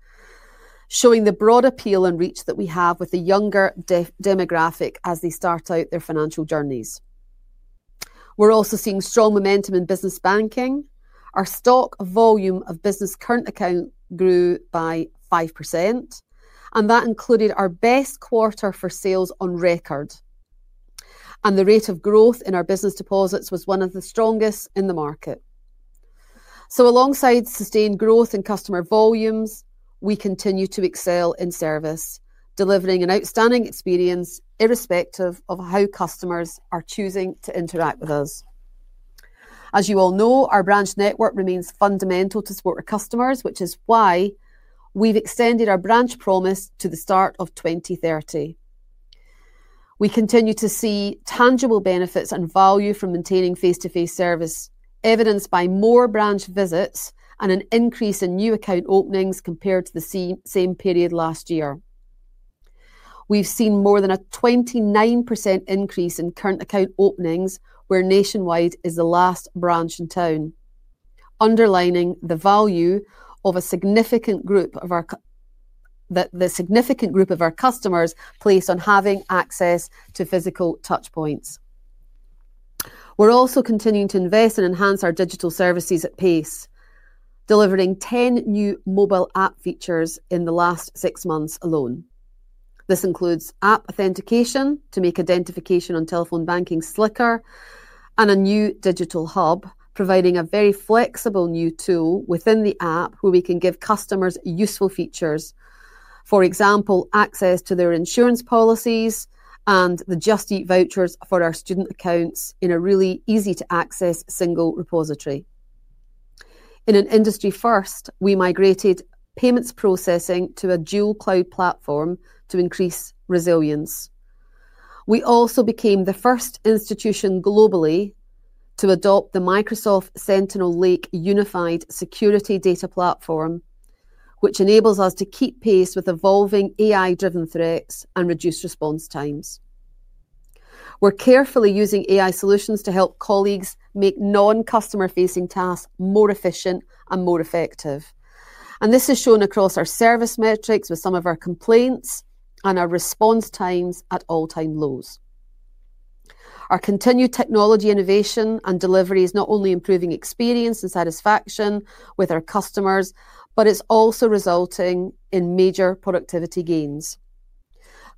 showing the broad appeal and reach that we have with the younger demographic as they start out their financial journeys. We're also seeing strong momentum in business banking. Our stock volume of business current account grew by 5%, and that included our best quarter for sales on record. The rate of growth in our business deposits was one of the strongest in the market. Alongside sustained growth in customer volumes, we continue to excel in service, delivering an outstanding experience irrespective of how customers are choosing to interact with us. As you all know, our branch network remains fundamental to support our customers, which is why we've extended our branch promise to the start of 2030. We continue to see tangible benefits and value from maintaining face-to-face service, evidenced by more branch visits and an increase in new account openings compared to the same period last year. We've seen more than a 29% increase in current account openings, where Nationwide is the last branch in town, underlining the value a significant group of our customers placed on having access to physical touchpoints. We're also continuing to invest and enhance our digital services at pace, delivering 10 new mobile app features in the last six months alone. This includes app authentication to make identification on telephone banking slicker and a new digital hub, providing a very flexible new tool within the app where we can give customers useful features, for example, access to their insurance policies and the Just Eat vouchers for our student accounts in a really easy-to-access single repository. In an industry first, we migrated payments processing to a dual cloud platform to increase resilience. We also became the first institution globally to adopt the Microsoft Sentinel Lake Unified Security Data Platform, which enables us to keep pace with evolving AI-driven threats and reduce response times. We are carefully using AI solutions to help colleagues make non-customer-facing tasks more efficient and more effective. This is shown across our service metrics with some of our complaints and our response times at all-time lows. Our continued technology innovation and delivery is not only improving experience and satisfaction with our customers, but it is also resulting in major productivity gains.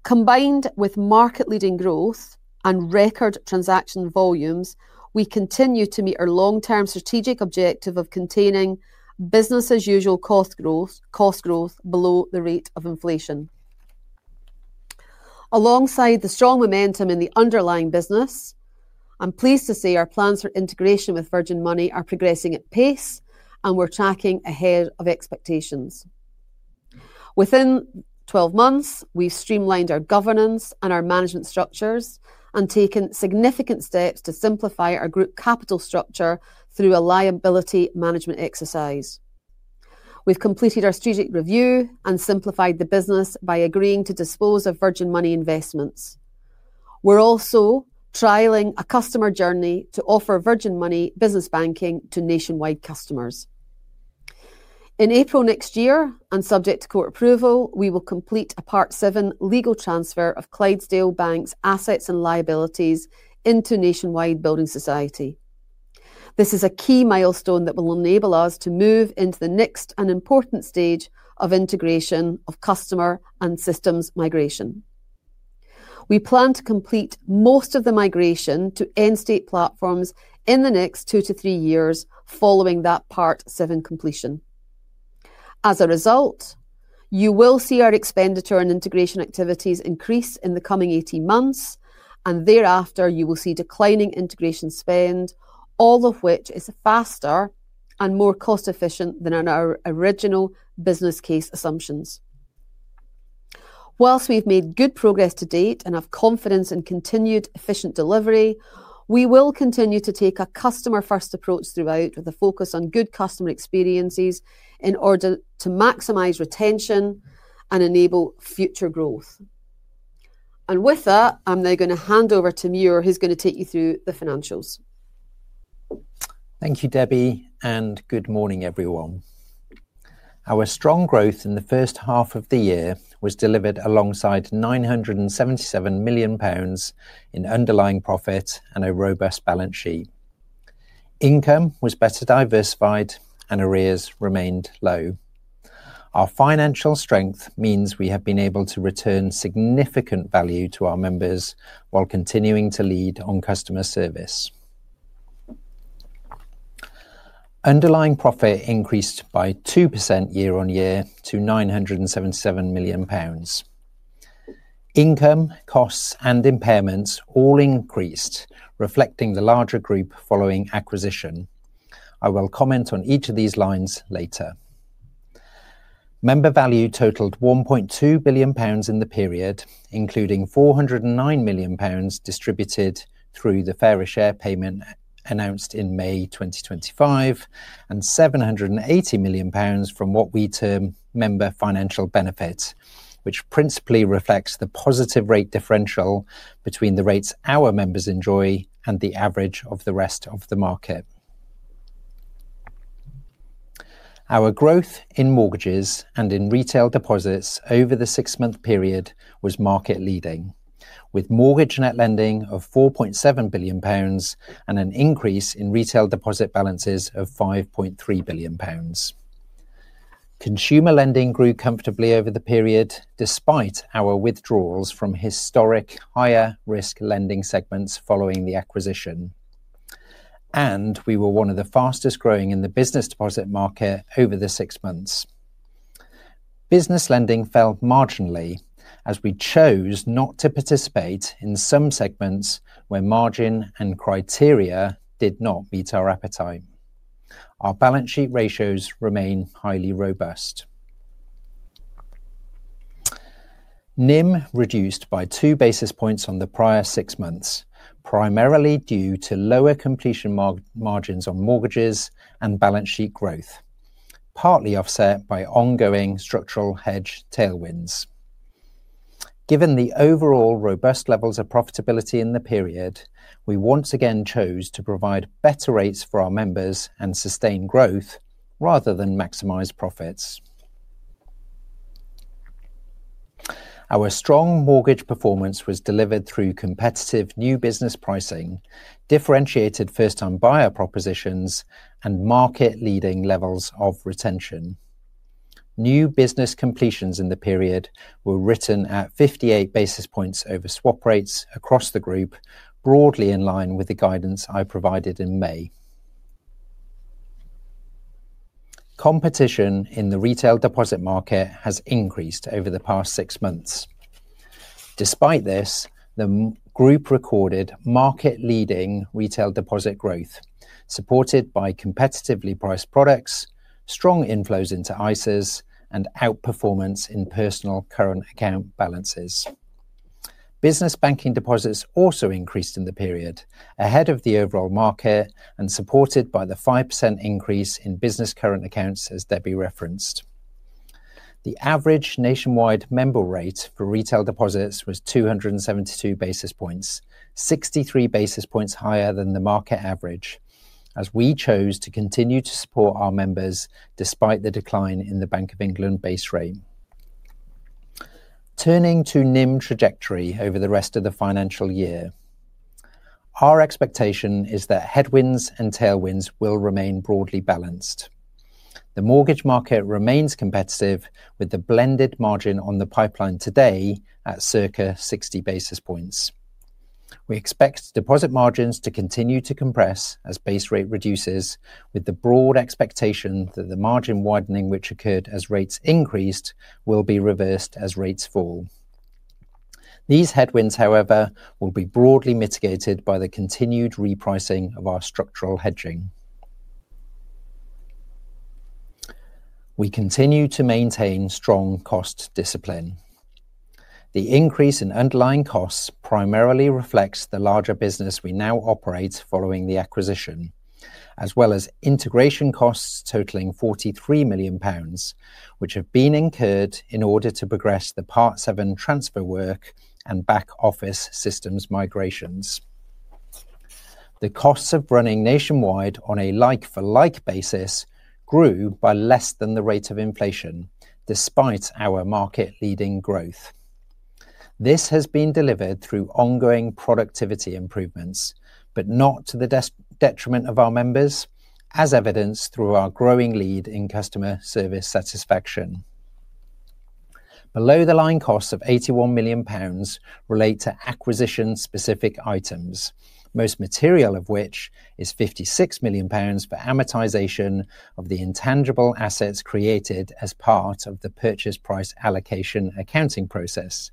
Combined with market-leading growth and record transaction volumes, we continue to meet our long-term strategic objective of containing business-as-usual cost growth below the rate of inflation. Alongside the strong momentum in the underlying business, I'm pleased to say our plans for integration with Virgin Money are progressing at pace, and we're tracking ahead of expectations. Within 12 months, we've streamlined our governance and our management structures and taken significant steps to simplify our group capital structure through a liability management exercise. We've completed our strategic review and simplified the business by agreeing to dispose of Virgin Money investments. We're also trialling a customer journey to offer Virgin Money business banking to Nationwide customers. In April next year, and subject to court approval, we will complete a Part 7 legal transfer of Clydesdale Bank's assets and liabilities into Nationwide Building Society. This is a key milestone that will enable us to move into the next and important stage of integration of customer and systems migration. We plan to complete most of the migration to end-state platforms in the next two to three years following that Part 7 completion. As a result, you will see our expenditure and integration activities increase in the coming 18 months, and thereafter, you will see declining integration spend, all of which is faster and more cost-efficient than our original business case assumptions. Whilst we've made good progress to date and have confidence in continued efficient delivery, we will continue to take a customer-first approach throughout with a focus on good customer experiences in order to maximize retention and enable future growth. With that, I'm now going to hand over to Muir, who's going to take you through the financials. Thank you, Debbie, and good morning, everyone. Our strong growth in the first half of the year was delivered alongside 977 million pounds in underlying profit and a robust balance sheet. Income was better diversified, and arrears remained low. Our financial strength means we have been able to return significant value to our members while continuing to lead on customer service. Underlying profit increased by 2% year-on-year to GBP 977 million. Income, costs, and impairments all increased, reflecting the larger group following acquisition. I will comment on each of these lines later. Member value totaled 1.2 billion pounds in the period, including 409 million pounds distributed through the Fair Share payment announced in May 2025 and 780 million pounds from what we term member financial benefit, which principally reflects the positive rate differential between the rates our members enjoy and the average of the rest of the market. Our growth in mortgages and in retail deposits over the six-month period was market-leading, with mortgage net lending of 4.7 billion pounds and an increase in retail deposit balances of 5.3 billion pounds. Consumer lending grew comfortably over the period, despite our withdrawals from historic higher-risk lending segments following the acquisition. We were one of the fastest growing in the business deposit market over the six months. Business lending fell marginally as we chose not to participate in some segments where margin and criteria did not meet our appetite. Our balance sheet ratios remain highly robust. NIM reduced by two basis points on the prior six months, primarily due to lower completion margins on mortgages and balance sheet growth, partly offset by ongoing structural hedge tailwinds. Given the overall robust levels of profitability in the period, we once again chose to provide better rates for our members and sustain growth rather than maximize profits. Our strong mortgage performance was delivered through competitive new business pricing, differentiated first-time buyer propositions, and market-leading levels of retention. New business completions in the period were written at 58 basis points over swap rates across the group, broadly in line with the guidance I provided in May. Competition in the retail deposit market has increased over the past six months. Despite this, the group recorded market-leading retail deposit growth, supported by competitively priced products, strong inflows into ISAs, and outperformance in personal current account balances. Business banking deposits also increased in the period, ahead of the overall market and supported by the 5% increase in business current accounts, as Debbie referenced. The average Nationwide member rate for retail deposits was 272 basis points, 63 basis points higher than the market average, as we chose to continue to support our members despite the decline in the Bank of England base rate. Turning to NIM trajectory over the rest of the financial year, our expectation is that headwinds and tailwinds will remain broadly balanced. The mortgage market remains competitive with the blended margin on the pipeline today at circa 60 basis points. We expect deposit margins to continue to compress as base rate reduces, with the broad expectation that the margin widening which occurred as rates increased will be reversed as rates fall. These headwinds, however, will be broadly mitigated by the continued repricing of our structural hedging. We continue to maintain strong cost discipline. The increase in underlying costs primarily reflects the larger business we now operate following the acquisition, as well as integration costs totaling 43 million pounds, which have been incurred in order to progress the Part 7 transfer work and back office systems migrations. The costs of running Nationwide on a like-for-like basis grew by less than the rate of inflation, despite our market-leading growth. This has been delivered through ongoing productivity improvements, but not to the detriment of our members, as evidenced through our growing lead in customer service satisfaction. Below-the-line costs of 81 million pounds relate to acquisition-specific items, most material of which is 56 million pounds for amortization of the intangible assets created as part of the purchase price allocation accounting process.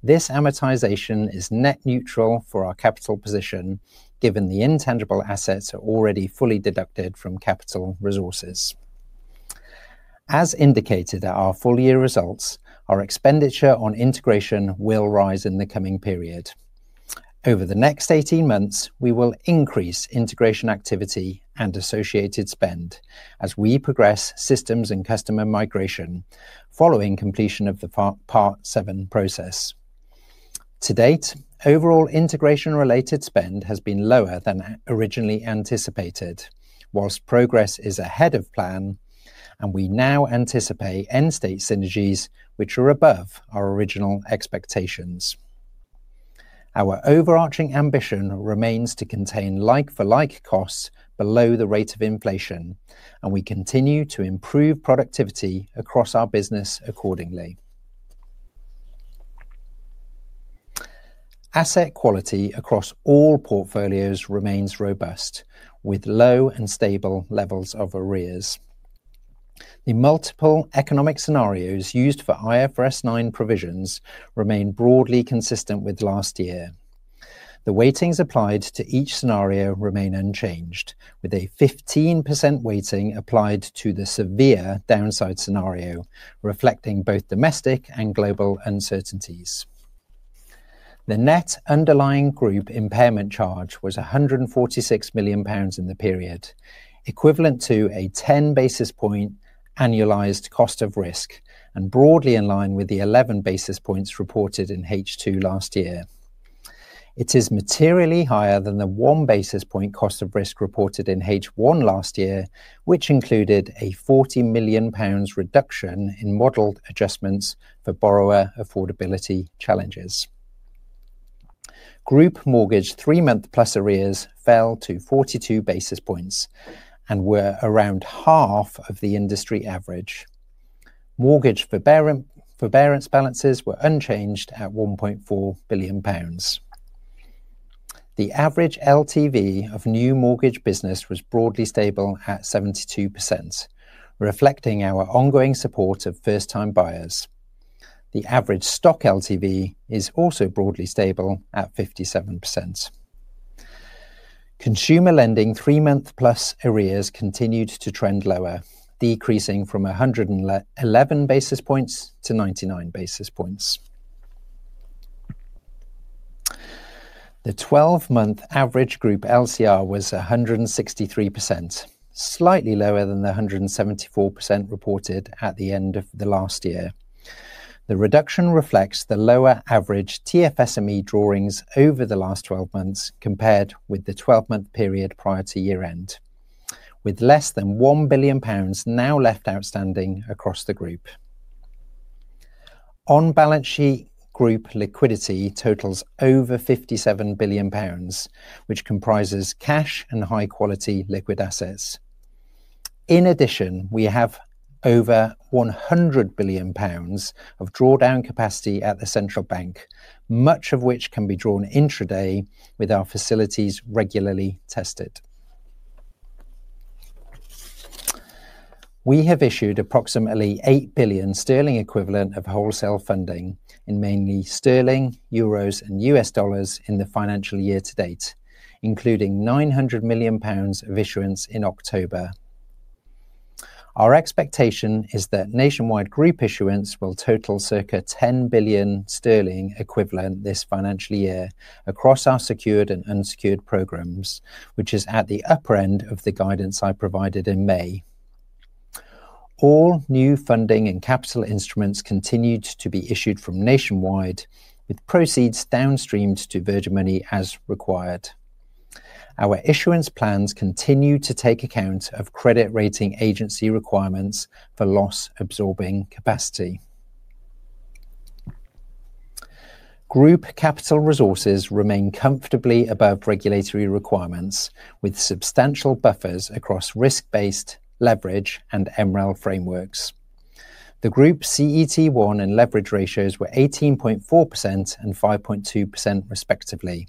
This amortization is net neutral for our capital position, given the intangible assets are already fully deducted from capital resources. As indicated at our full-year results, our expenditure on integration will rise in the coming period. Over the next 18 months, we will increase integration activity and associated spend as we progress systems and customer migration following completion of the Part 7 process. To date, overall integration-related spend has been lower than originally anticipated, whilst progress is ahead of plan, and we now anticipate end-state synergies, which are above our original expectations. Our overarching ambition remains to contain like-for-like costs below the rate of inflation, and we continue to improve productivity across our business accordingly. Asset quality across all portfolios remains robust, with low and stable levels of arrears. The multiple economic scenarios used for IFRS 9 provisions remain broadly consistent with last year. The weightings applied to each scenario remain unchanged, with a 15% weighting applied to the severe downside scenario, reflecting both domestic and global uncertainties. The net underlying group impairment charge was 146 million pounds in the period, equivalent to a 10 basis point annualized cost of risk, and broadly in line with the 11 basis points reported in H2 last year. It is materially higher than the 1 basis point cost of risk reported in H1 last year, which included a 40 million pounds reduction in modelled adjustments for borrower affordability challenges. Group mortgage three-month plus arrears fell to 42 basis points and were around half of the industry average. Mortgage forbearance balances were unchanged at 1.4 billion pounds. The average LTV of new mortgage business was broadly stable at 72%, reflecting our ongoing support of first-time buyers. The average stock LTV is also broadly stable at 57%. Consumer lending three-month plus arrears continued to trend lower, decreasing from 111 basis points to 99 basis points. The 12-month average group LCR was 163%, slightly lower than the 174% reported at the end of the last year. The reduction reflects the lower average TFSME drawings over the last 12 months compared with the 12-month period prior to year-end, with less than 1 billion pounds now left outstanding across the group. On-balance sheet group liquidity totals over 57 billion pounds, which comprises cash and high-quality liquid assets. In addition, we have over 100 billion pounds of drawdown capacity at the central bank, much of which can be drawn intraday with our facilities regularly tested. We have issued approximately 8 billion sterling equivalent of wholesale funding in mainly sterling, euros, and US dollars in the financial year to date, including 900 million pounds of issuance in October. Our expectation is that Nationwide group issuance will total circa 10 billion sterling equivalent this financial year across our secured and unsecured programs, which is at the upper end of the guidance I provided in May. All new funding and capital instruments continued to be issued from Nationwide, with proceeds downstream to Virgin Money as required. Our issuance plans continue to take account of credit rating agency requirements for loss-absorbing capacity. Group capital resources remain comfortably above regulatory requirements, with substantial buffers across risk-based leverage and EMREL frameworks. The group CET1 and leverage ratios were 18.4% and 5.2%, respectively.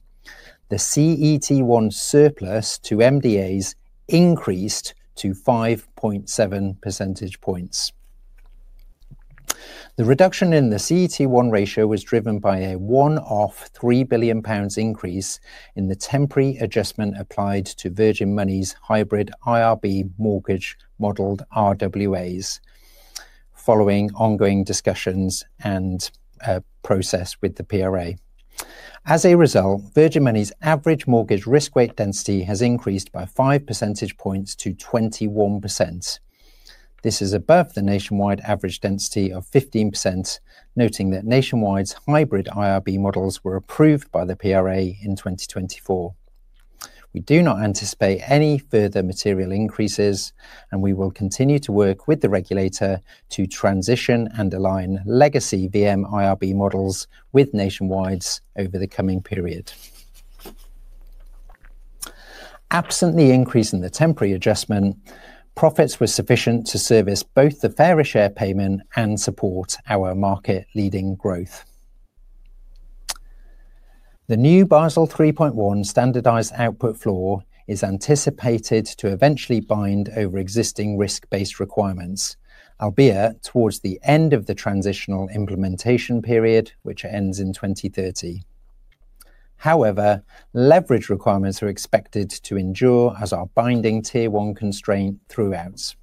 The CET1 surplus to MDAs increased to 5.7 percentage points. The reduction in the CET1 ratio was driven by a 1.3 billion pounds increase in the temporary adjustment applied to Virgin Money's hybrid IRB mortgage modelled RWAs, following ongoing discussions and process with the PRA. As a result, Virgin Money's average mortgage risk-weight density has increased by 5 percentage points to 21%. This is above the Nationwide average density of 15%, noting that Nationwide's hybrid IRB models were approved by the PRA in 2024. We do not anticipate any further material increases, and we will continue to work with the regulator to transition and align legacy VM IRB models with Nationwide over the coming period. Absent the increase in the temporary adjustment, profits were sufficient to service both the Fair Share payment and support our market-leading growth. The new Basel 3.1 standardised output floor is anticipated to eventually bind over existing risk-based requirements, albeit towards the end of the transitional implementation period, which ends in 2030. However, leverage requirements are expected to endure as our binding tier one constraint throughout.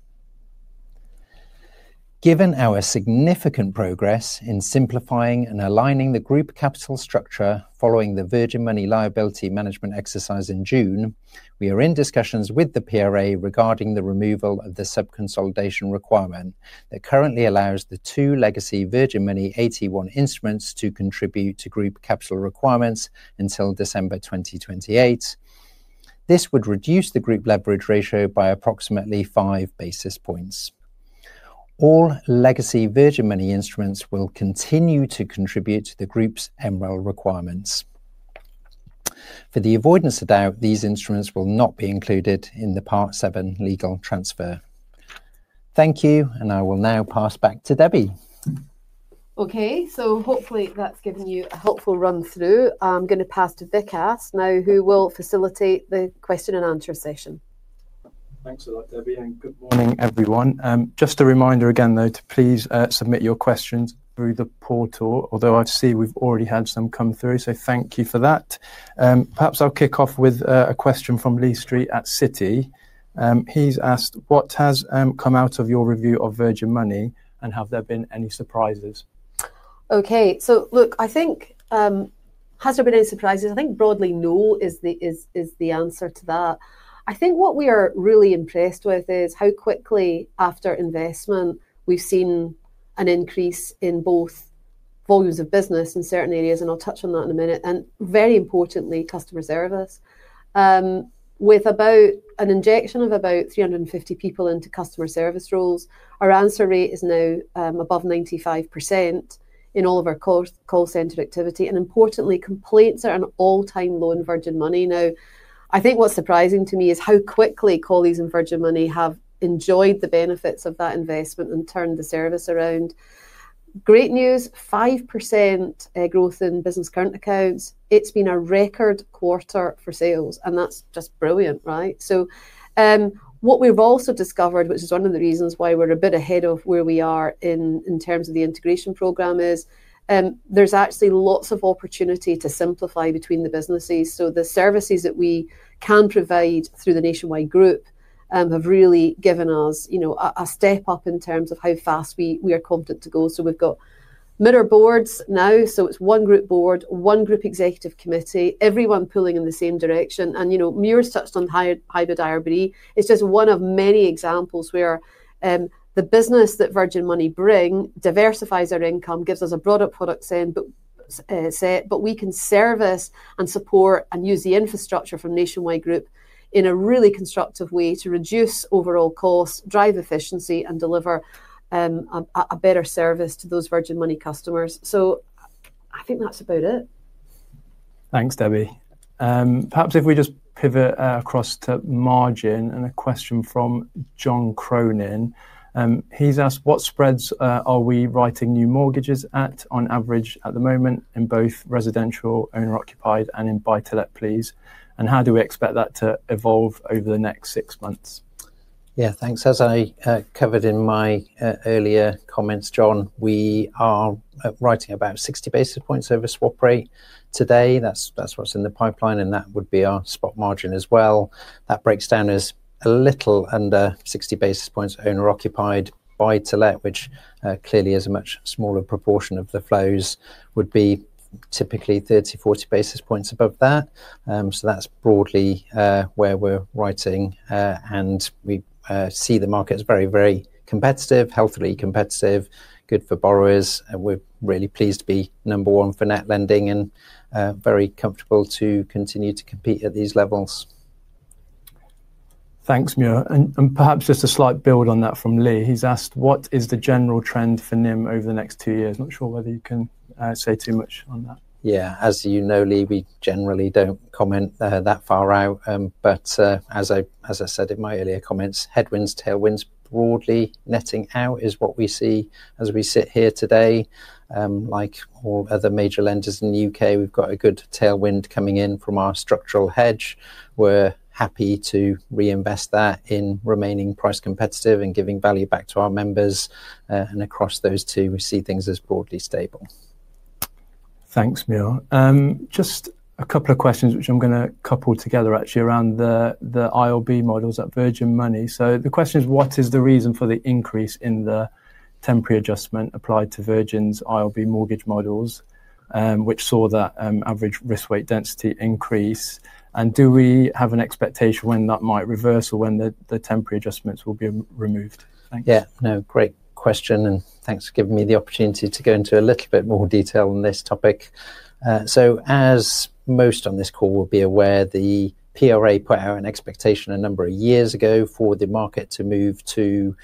Given our significant progress in simplifying and aligning the group capital structure following the Virgin Money liability management exercise in June, we are in discussions with the PRA regarding the removal of the sub-consolidation requirement that currently allows the two legacy Virgin Money 81 instruments to contribute to group capital requirements until December 2028. This would reduce the group leverage ratio by approximately five basis points. All legacy Virgin Money instruments will continue to contribute to the group's EMREL requirements. For the avoidance of doubt, these instruments will not be included in the Part 7 legal transfer. Thank you, and I will now pass back to Debbie. Okay, so hopefully that's given you a helpful run-through. I'm going to pass to Vikas now, who will facilitate the question and answer session. Thanks a lot, Debbie, and good morning, everyone. Just a reminder again, though, to please submit your questions through the portal, although I see we've already had some come through, so thank you for that. Perhaps I'll kick off with a question from Lee Street at Citi. He's asked, what has come out of your review of Virgin Money, and have there been any surprises? Okay, look, I think, has there been any surprises? I think broadly no is the answer to that. I think what we are really impressed with is how quickly after investment we've seen an increase in both volumes of business in certain areas, and I'll touch on that in a minute, and very importantly, customer service. With an injection of about 350 people into customer service roles, our answer rate is now above 95% in all of our call centre activity, and importantly, complaints are at an all-time low in Virgin Money now. I think what's surprising to me is how quickly colleagues in Virgin Money have enjoyed the benefits of that investment and turned the service around. Great news, 5% growth in business current accounts. It's been a record quarter for sales, and that's just brilliant, right? What we've also discovered, which is one of the reasons why we're a bit ahead of where we are in terms of the integration program, is there's actually lots of opportunity to simplify between the businesses. The services that we can provide through the Nationwide group have really given us a step up in terms of how fast we are confident to go. We've got mirror boards now, so it's one group board, one group executive committee, everyone pulling in the same direction. You know, Muir's touched on hybrid IRB. It's just one of many examples where the business that Virgin Money brings diversifies our income, gives us a broader product set, but we can service and support and use the infrastructure from Nationwide group in a really constructive way to reduce overall costs, drive efficiency, and deliver a better service to those Virgin Money customers. I think that's about it. Thanks, Debbie. Perhaps if we just pivot across to margin and a question from John Cronin. He's asked, what spreads are we writing new mortgages at on average at the moment in both residential, owner-occupied, and in buy-to-let, please? How do we expect that to evolve over the next six months? Yeah, thanks. As I covered in my earlier comments, John, we are writing about 60 basis points service swap rate today. That's what's in the pipeline, and that would be our spot margin as well. That breaks down as a little under 60 basis points owner-occupied. Buy-to-let, which clearly is a much smaller proportion of the flows, would be typically 30-40 basis points above that. That's broadly where we're writing, and we see the market as very, very competitive, healthily competitive, good for borrowers. We're really pleased to be number one for net lending and very comfortable to continue to compete at these levels. Thanks, Muir. Perhaps just a slight build on that from Lee. He's asked, what is the general trend for NIM over the next two years? Not sure whether you can say too much on that. Yeah, as you know, Lee, we generally do not comment that far out, but as I said in my earlier comments, headwinds, tailwinds, broadly netting out is what we see as we sit here today. Like all other major lenders in the U.K., we've got a good tailwind coming in from our structural hedge. We're happy to reinvest that in remaining price competitive and giving value back to our members. Across those two, we see things as broadly stable. Thanks, Muir. Just a couple of questions, which I'm going to couple together actually around the IRB models at Virgin Money. The question is, what is the reason for the increase in the temporary adjustment applied to Virgin's IRB mortgage models, which saw that average risk-weight density increase? Do we have an expectation when that might reverse or when the temporary adjustments will be removed? T hanks. Yeah, great question, and thanks for giving me the opportunity to go into a little bit more detail on this topic. As most on this call will be aware, the PRA put out an expectation a number of years ago for the market to move to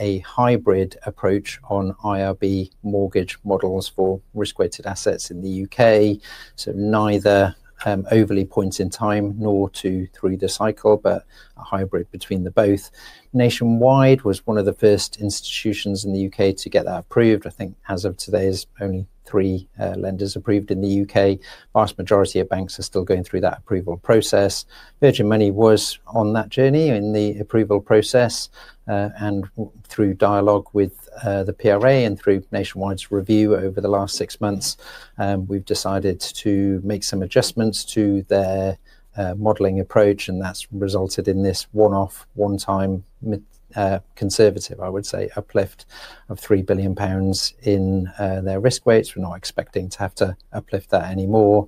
a hybrid approach on IRB mortgage models for risk-weighted assets in the U.K. Neither overly points in time nor too through the cycle, but a hybrid between the both. Nationwide was one of the first institutions in the U.K. to get that approved. I think as of today, there's only three lenders approved in the U.K. Vast majority of banks are still going through that approval process. Virgin Money was on that journey in the approval process, and through dialogue with the PRA and through Nationwide's review over the last six months, we've decided to make some adjustments to their modelling approach, and that's resulted in this one-off, one-time conservative, I would say, uplift of 3 billion pounds in their risk weights. We're not expecting to have to uplift that anymore.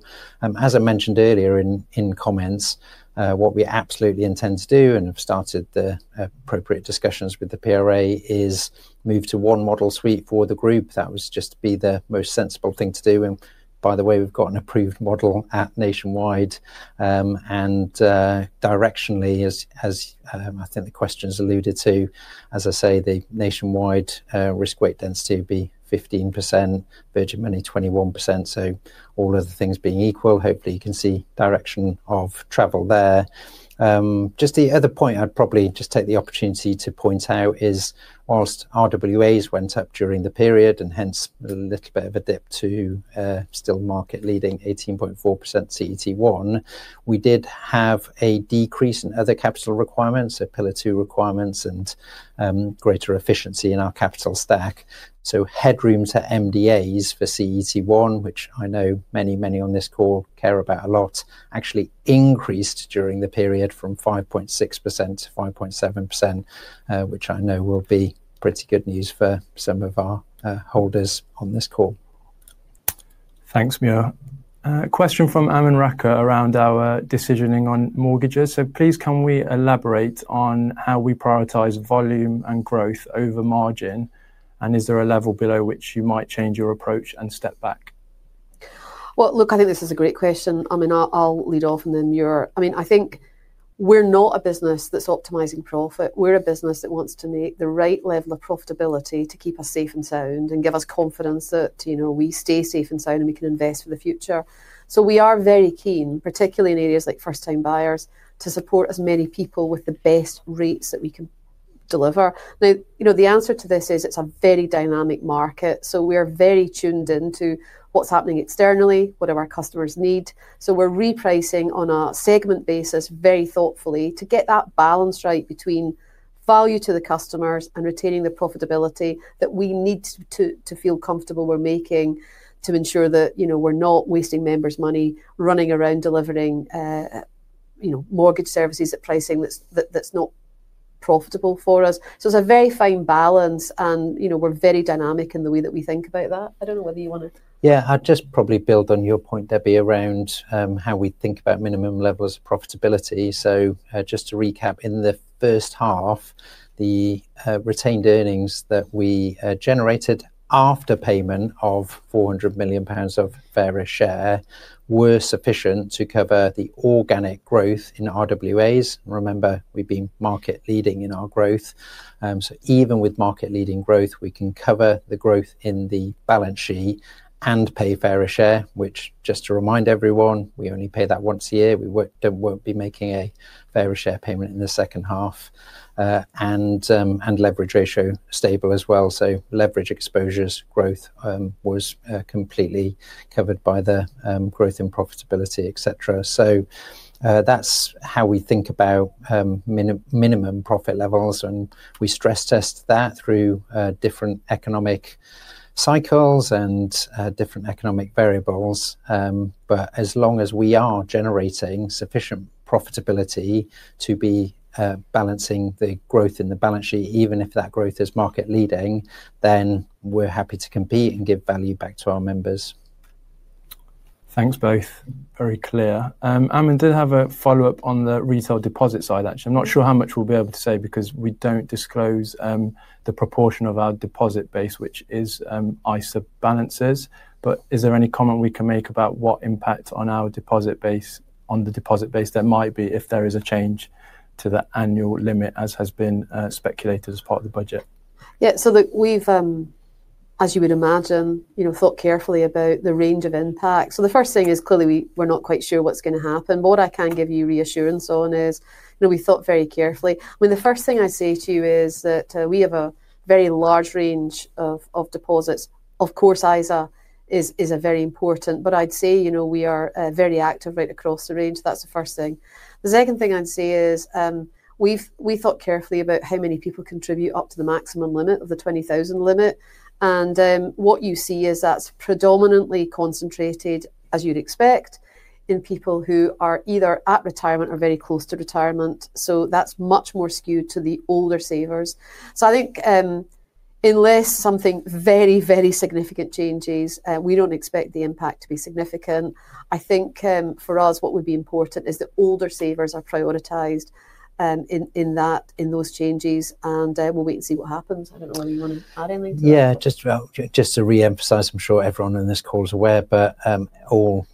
As I mentioned earlier in comments, what we absolutely intend to do and have started the appropriate discussions with the PRA is move to one model suite for the group. That was just to be the most sensible thing to do. By the way, we've got an approved model at Nationwide. Directionally, as I think the question's alluded to, as I say, the Nationwide risk-weight density would be 15%, Virgin Money 21%. All of the things being equal, hopefully you can see direction of travel there. Just the other point I'd probably just take the opportunity to point out is whilst RWAs went up during the period and hence a little bit of a dip to still market-leading 18.4% CET1, we did have a decrease in other capital requirements, so pillar two requirements and greater efficiency in our capital stack. Headrooms at MDAs for CET1, which I know many, many on this call care about a lot, actually increased during the period from 5.6% to 5.7%, which I know will be pretty good news for some of our holders on this call. Thanks, Muir. Question from Amun Raka around our decisioning on mortgages. Please, can we elaborate on how we prioritize volume and growth over margin? Is there a level below which you might change your approach and step back? I think this is a great question. I mean, I'll lead off and then Muir. I think we're not a business that's optimizing profit. We're a business that wants to make the right level of profitability to keep us safe and sound and give us confidence that we stay safe and sound and we can invest for the future. We are very keen, particularly in areas like first-time buyers, to support as many people with the best rates that we can deliver. Now, you know, the answer to this is it's a very dynamic market. We are very tuned into what's happening externally, what do our customers need. We are repricing on a segment basis very thoughtfully to get that balance right between value to the customers and retaining the profitability that we need to feel comfortable we are making to ensure that we are not wasting members' money running around delivering mortgage services at pricing that is not profitable for us. It is a very fine balance, and we are very dynamic in the way that we think about that. I do not know whether you want to. Yeah, I would just probably build on your point, Debbie, around how we think about minimum levels of profitability. Just to recap, in the first half, the retained earnings that we generated after payment of 400 million pounds of Fair Share were sufficient to cover the organic growth in RWAs. Remember, we have been market-leading in our growth. Even with market-leading growth, we can cover the growth in the balance sheet and pay Fair Share, which, just to remind everyone, we only pay that once a year. We will not be making a Fair Share payment in the second half. Leverage ratio stable as well. Leverage exposures growth was completely covered by the growth in profitability, etc. That is how we think about minimum profit levels, and we stress test that through different economic cycles and different economic variables. As long as we are generating sufficient profitability to be balancing the growth in the balance sheet, even if that growth is market-leading, then we are happy to compete and give value back to our members. Thanks both. Very clear. Amun did have a follow-up on the retail deposit side, actually. I'm not sure how much we'll be able to say because we don't disclose the proportion of our deposit base, which is ISA balances. Is there any comment we can make about what impact on our deposit base, on the deposit base there might be if there is a change to the annual limit, as has been speculated as part of the budget? Yeah, look, we've, as you would imagine, thought carefully about the range of impact. The first thing is clearly we're not quite sure what's going to happen. What I can give you reassurance on is we thought very carefully. The first thing I'd say to you is that we have a very large range of deposits. Of course, ISA is very important, but I'd say we are very active right across the range. That's the first thing. The second thing I'd say is we thought carefully about how many people contribute up to the maximum limit of the 20,000 limit. What you see is that's predominantly concentrated, as you'd expect, in people who are either at retirement or very close to retirement. That's much more skewed to the older savers. I think unless something very, very significant changes, we don't expect the impact to be significant. I think for us, what would be important is that older savers are prioritized in those changes, and we'll wait and see what happens. I don't know whether you want to add anything to that. Yeah, just to re-emphasize, I'm sure everyone on this call is aware, but all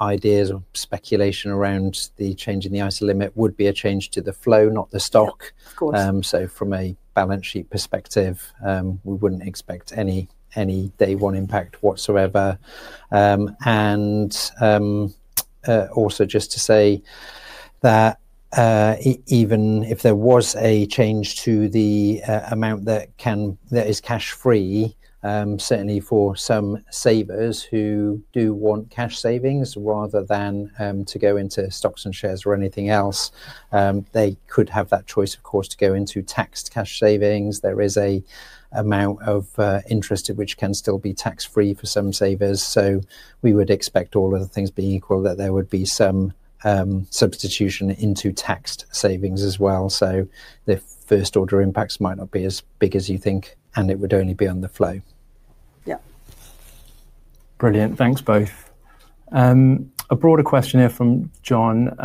ideas of speculation around the change in the ISA limit would be a change to the flow, not the stock. From a balance sheet perspective, we would not expect any day one impact whatsoever. Also, just to say that even if there was a change to the amount that is cash-free, certainly for some savers who do want cash savings rather than to go into stocks and shares or anything else, they could have that choice, of course, to go into taxed cash savings. There is an amount of interest which can still be tax-free for some savers. We would expect all of the things being equal that there would be some substitution into taxed savings as well. The first-order impacts might not be as big as you think, and it would only be on the flow. Yeah. Brilliant. Thanks both. A broader question here from John.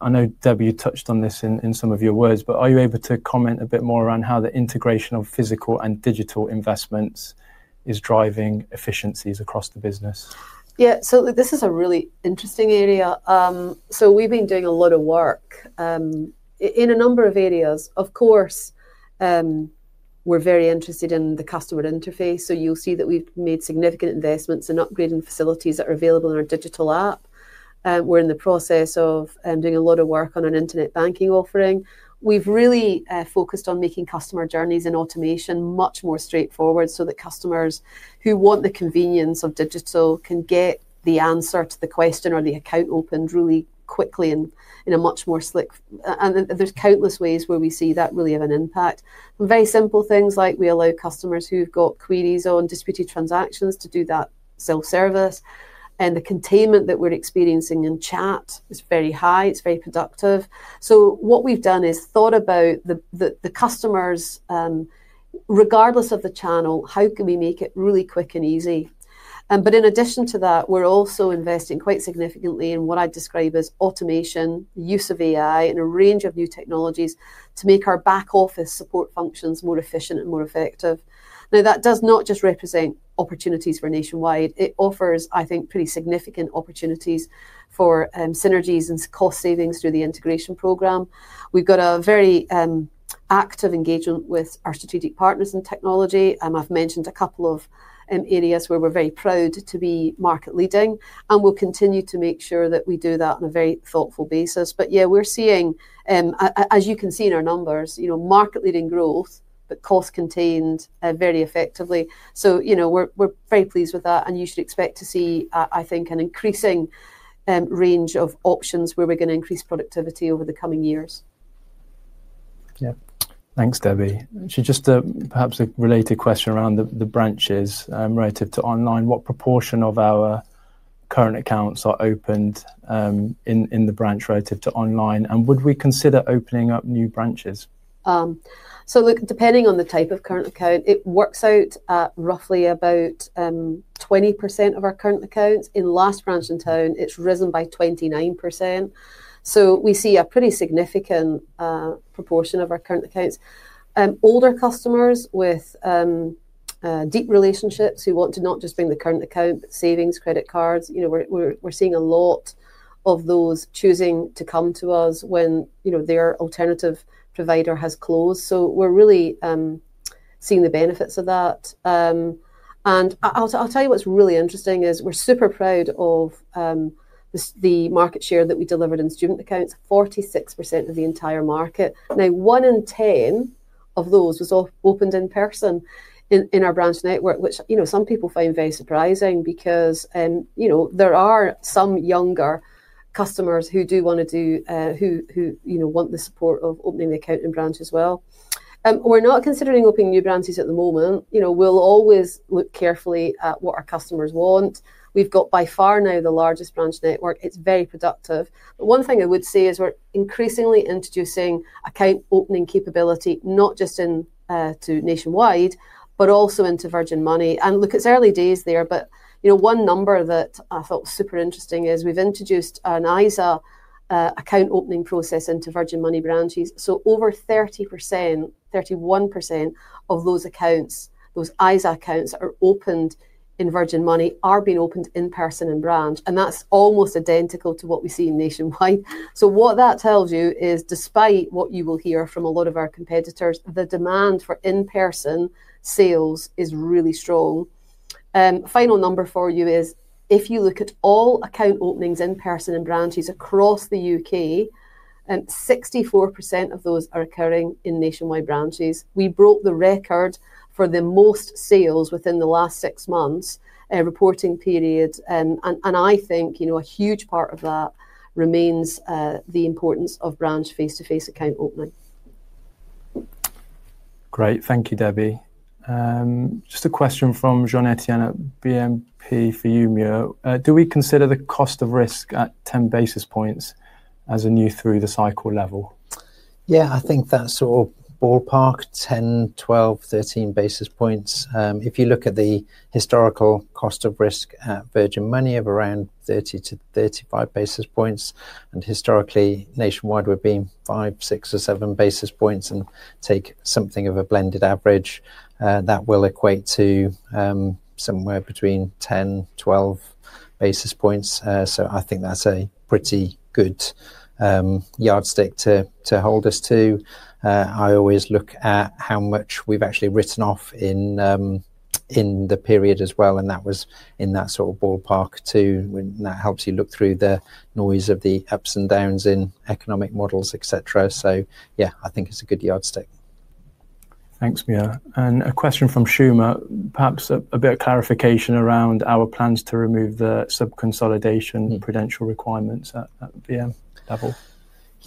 I know, Debbie, you touched on this in some of your words, but are you able to comment a bit more around how the integration of physical and digital investments is driving efficiencies across the business? Yeah, this is a really interesting area. We've been doing a lot of work in a number of areas. Of course, we're very interested in the customer interface. You'll see that we've made significant investments in upgrading facilities that are available in our digital app. We're in the process of doing a lot of work on an internet banking offering. We've really focused on making customer journeys and automation much more straightforward so that customers who want the convenience of digital can get the answer to the question or the account opened really quickly and in a much more slick. There are countless ways where we see that really have an impact. Very simple things like we allow customers who've got queries on disputed transactions to do that self-service. The containment that we're experiencing in chat is very high. It's very productive. What we've done is thought about the customers, regardless of the channel, how can we make it really quick and easy. In addition to that, we're also investing quite significantly in what I'd describe as automation, use of AI, and a range of new technologies to make our back-office support functions more efficient and more effective. That does not just represent opportunities for Nationwide. It offers, I think, pretty significant opportunities for synergies and cost savings through the integration program. We've got a very active engagement with our strategic partners in technology. I've mentioned a couple of areas where we're very proud to be market-leading, and we'll continue to make sure that we do that on a very thoughtful basis. Yeah, we're seeing, as you can see in our numbers, market-leading growth, but cost-contained very effectively. We're very pleased with that, and you should expect to see, I think, an increasing range of options where we're going to increase productivity over the coming years. Yeah. Thanks, Debbie. Actually, just perhaps a related question around the branches relative to online. What proportion of our current accounts are opened in the branch relative to online? Would we consider opening up new branches? Look, depending on the type of current account, it works out at roughly about 20% of our current accounts. In last branch in town, it's risen by 29%. We see a pretty significant proportion of our current accounts. Older customers with deep relationships who want to not just bring the current account, but savings, credit cards, we're seeing a lot of those choosing to come to us when their alternative provider has closed. We're really seeing the benefits of that. I'll tell you what's really interesting is we're super proud of the market share that we delivered in student accounts, 46% of the entire market. Now, one in 10 of those was opened in person in our branch network, which some people find very surprising because there are some younger customers who do want to do, who want the support of opening the account in branch as well. We're not considering opening new branches at the moment. We'll always look carefully at what our customers want. We've got by far now the largest branch network. It's very productive. One thing I would say is we're increasingly introducing account opening capability, not just to Nationwide, but also into Virgin Money. Look, it's early days there, but one number that I thought was super interesting is we've introduced an ISA account opening process into Virgin Money branches. Over 30%, 31% of those accounts, those ISA accounts that are opened in Virgin Money, are being opened in person in branch. That's almost identical to what we see at Nationwide. What that tells you is, despite what you will hear from a lot of our competitors, the demand for in-person sales is really strong. Final number for you is, if you look at all account openings in person in branches across the U.K., 64% of those are occurring in Nationwide branches. We broke the record for the most sales within the last six months reporting period. I think a huge part of that remains the importance of branch face-to-face account opening. Great. Thank you, Debbie. Just a question from Jean-Etienne at BNP Paribas for you, Muir. Do we consider the cost of risk at 10 basis points as a new through-the-cycle level? Yeah, I think that's sort of ballpark, 10, 12, 13 basis points. If you look at the historical cost of risk at Virgin Money of around 30-35 basis points. Historically, Nationwide, we've been five, six or seven basis points and take something of a blended average. That will equate to somewhere between 10-12 basis points. I think that's a pretty good yardstick to hold us to. I always look at how much we've actually written off in the period as well. That was in that sort of ballpark too. That helps you look through the noise of the ups and downs in economic models, etc. Yeah, I think it's a good yardstick. Thanks, Muir. A question from Shuma, perhaps a bit of clarification around our plans to remove the sub-consolidation credential requirements at the level.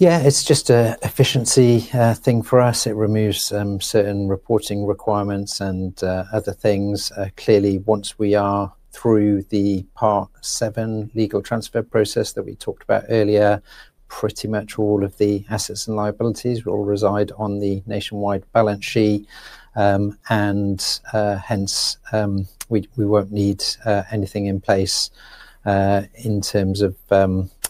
Yeah, it's just an efficiency thing for us. It removes certain reporting requirements and other things. Clearly, once we are through the part 7 legal transfer process that we talked about earlier, pretty much all of the assets and liabilities will reside on the Nationwide balance sheet. Hence, we won't need anything in place in terms of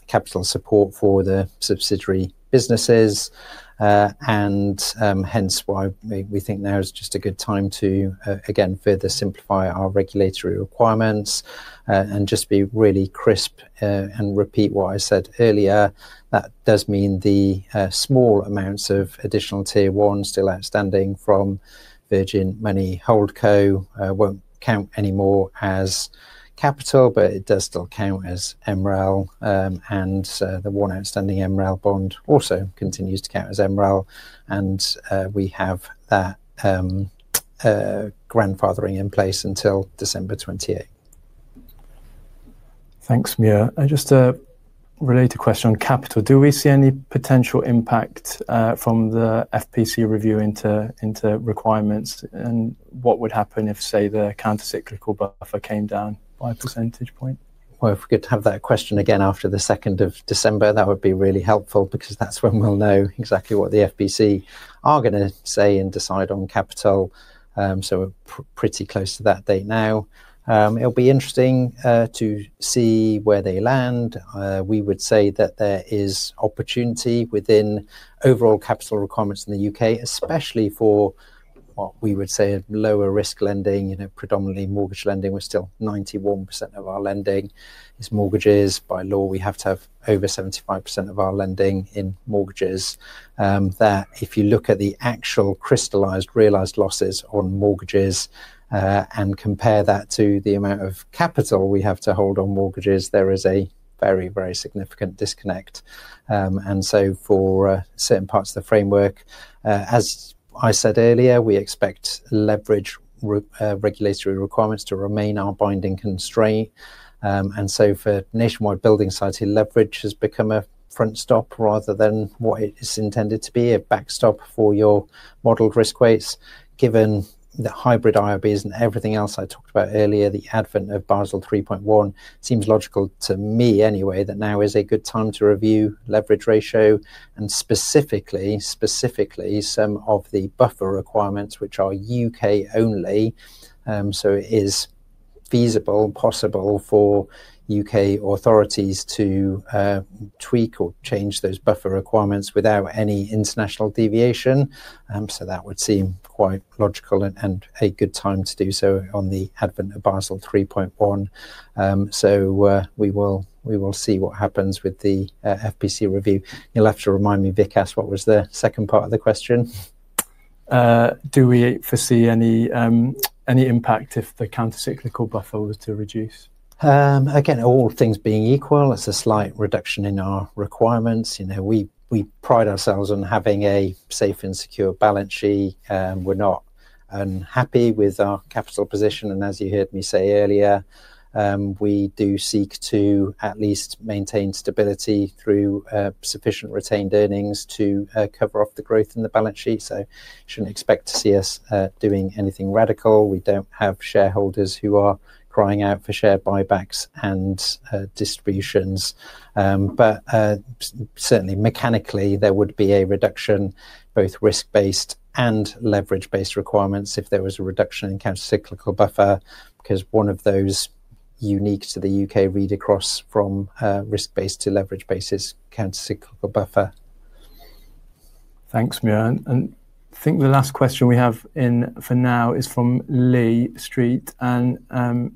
capital support for the subsidiary businesses. Hence, why we think now is just a good time to, again, further simplify our regulatory requirements and just be really crisp and repeat what I said earlier. That does mean the small amounts of additional tier one still outstanding from Virgin Money Hold Co. will not count anymore as capital, but it does still count as Emerail. The one outstanding Emerail bond also continues to count as Emerail. We have that grandfathering in place until December 28, 2024. Thanks, Muir. Just a related question on capital. Do we see any potential impact from the FPC review into requirements? What would happen if, say, the countercyclical buffer came down by a percentage point? If we could have that question again after the 2nd of December, that would be really helpful because that's when we'll know exactly what the FPC are going to say and decide on capital. We are pretty close to that date now. It will be interesting to see where they land. We would say that there is opportunity within overall capital requirements in the U.K., especially for what we would say are lower-risk lending, predominantly mortgage lending. We are still 91% of our lending is mortgages. By law, we have to have over 75% of our lending in mortgages. If you look at the actual crystallized realized losses on mortgages and compare that to the amount of capital we have to hold on mortgages, there is a very, very significant disconnect. For certain parts of the framework, as I said earlier, we expect leverage regulatory requirements to remain our binding constraint. For Nationwide Building Society, leverage has become a front stop rather than what it is intended to be, a backstop for your modeled risk weights. Given the hybrid IRBs and everything else I talked about earlier, the advent of Basel 3.1 seems logical to me anyway that now is a good time to review leverage ratio and specifically, specifically some of the buffer requirements, which are U.K. only. It is feasible, possible for U.K. authorities to tweak or change those buffer requirements without any international deviation. That would seem quite logical and a good time to do so on the advent of Basel 3.1. We will see what happens with the FPC review. You'll have to remind me, Vikas, what was the second part of the question. Do we foresee any impact if the countercyclical buffer was to reduce? Again, all things being equal, it's a slight reduction in our requirements. We pride ourselves on having a safe and secure balance sheet. We're not unhappy with our capital position. As you heard me say earlier, we do seek to at least maintain stability through sufficient retained earnings to cover off the growth in the balance sheet. You shouldn't expect to see us doing anything radical. We don't have shareholders who are crying out for share buybacks and distributions. Certainly, mechanically, there would be a reduction in both risk-based and leverage-based requirements if there was a reduction in countercyclical buffer because one of those unique to the U.K. read across from risk-based to leverage-based is countercyclical buffer. Thanks, Muir. I think the last question we have for now is from Lee Street. And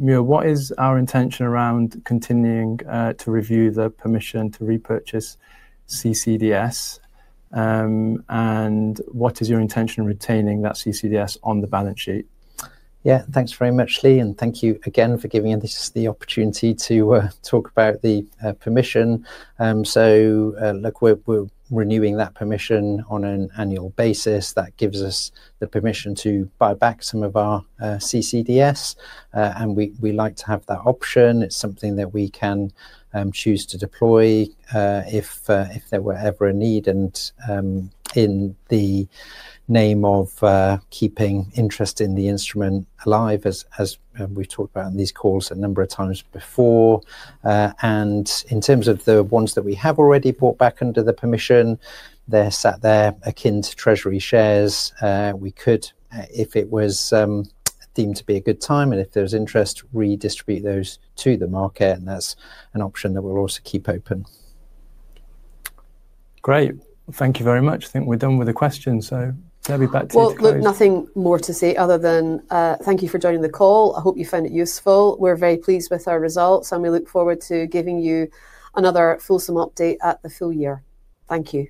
Muir, what is our intention around continuing to review the permission to repurchase CCDS? What is your intention in retaining that CCDS on the balance sheet? Yeah, thanks very much, Lee. Thank you again for giving us the opportunity to talk about the permission. Look, we're renewing that permission on an annual basis. That gives us the permission to buy back some of our CCDS. We like to have that option. It's something that we can choose to deploy if there were ever a need and in the name of keeping interest in the instrument alive, as we've talked about in these calls a number of times before. In terms of the ones that we have already bought back under the permission, they're sat there akin to treasury shares. We could, if it was deemed to be a good time and if there was interest, redistribute those to the market. That is an option that we will also keep open. Great. Thank you very much. I think we are done with the questions. Maybe back to you, Debbie. Look, nothing more to say other than thank you for joining the call. I hope you found it useful. We are very pleased with our results, and we look forward to giving you another fulsome update at the full year. Thank you.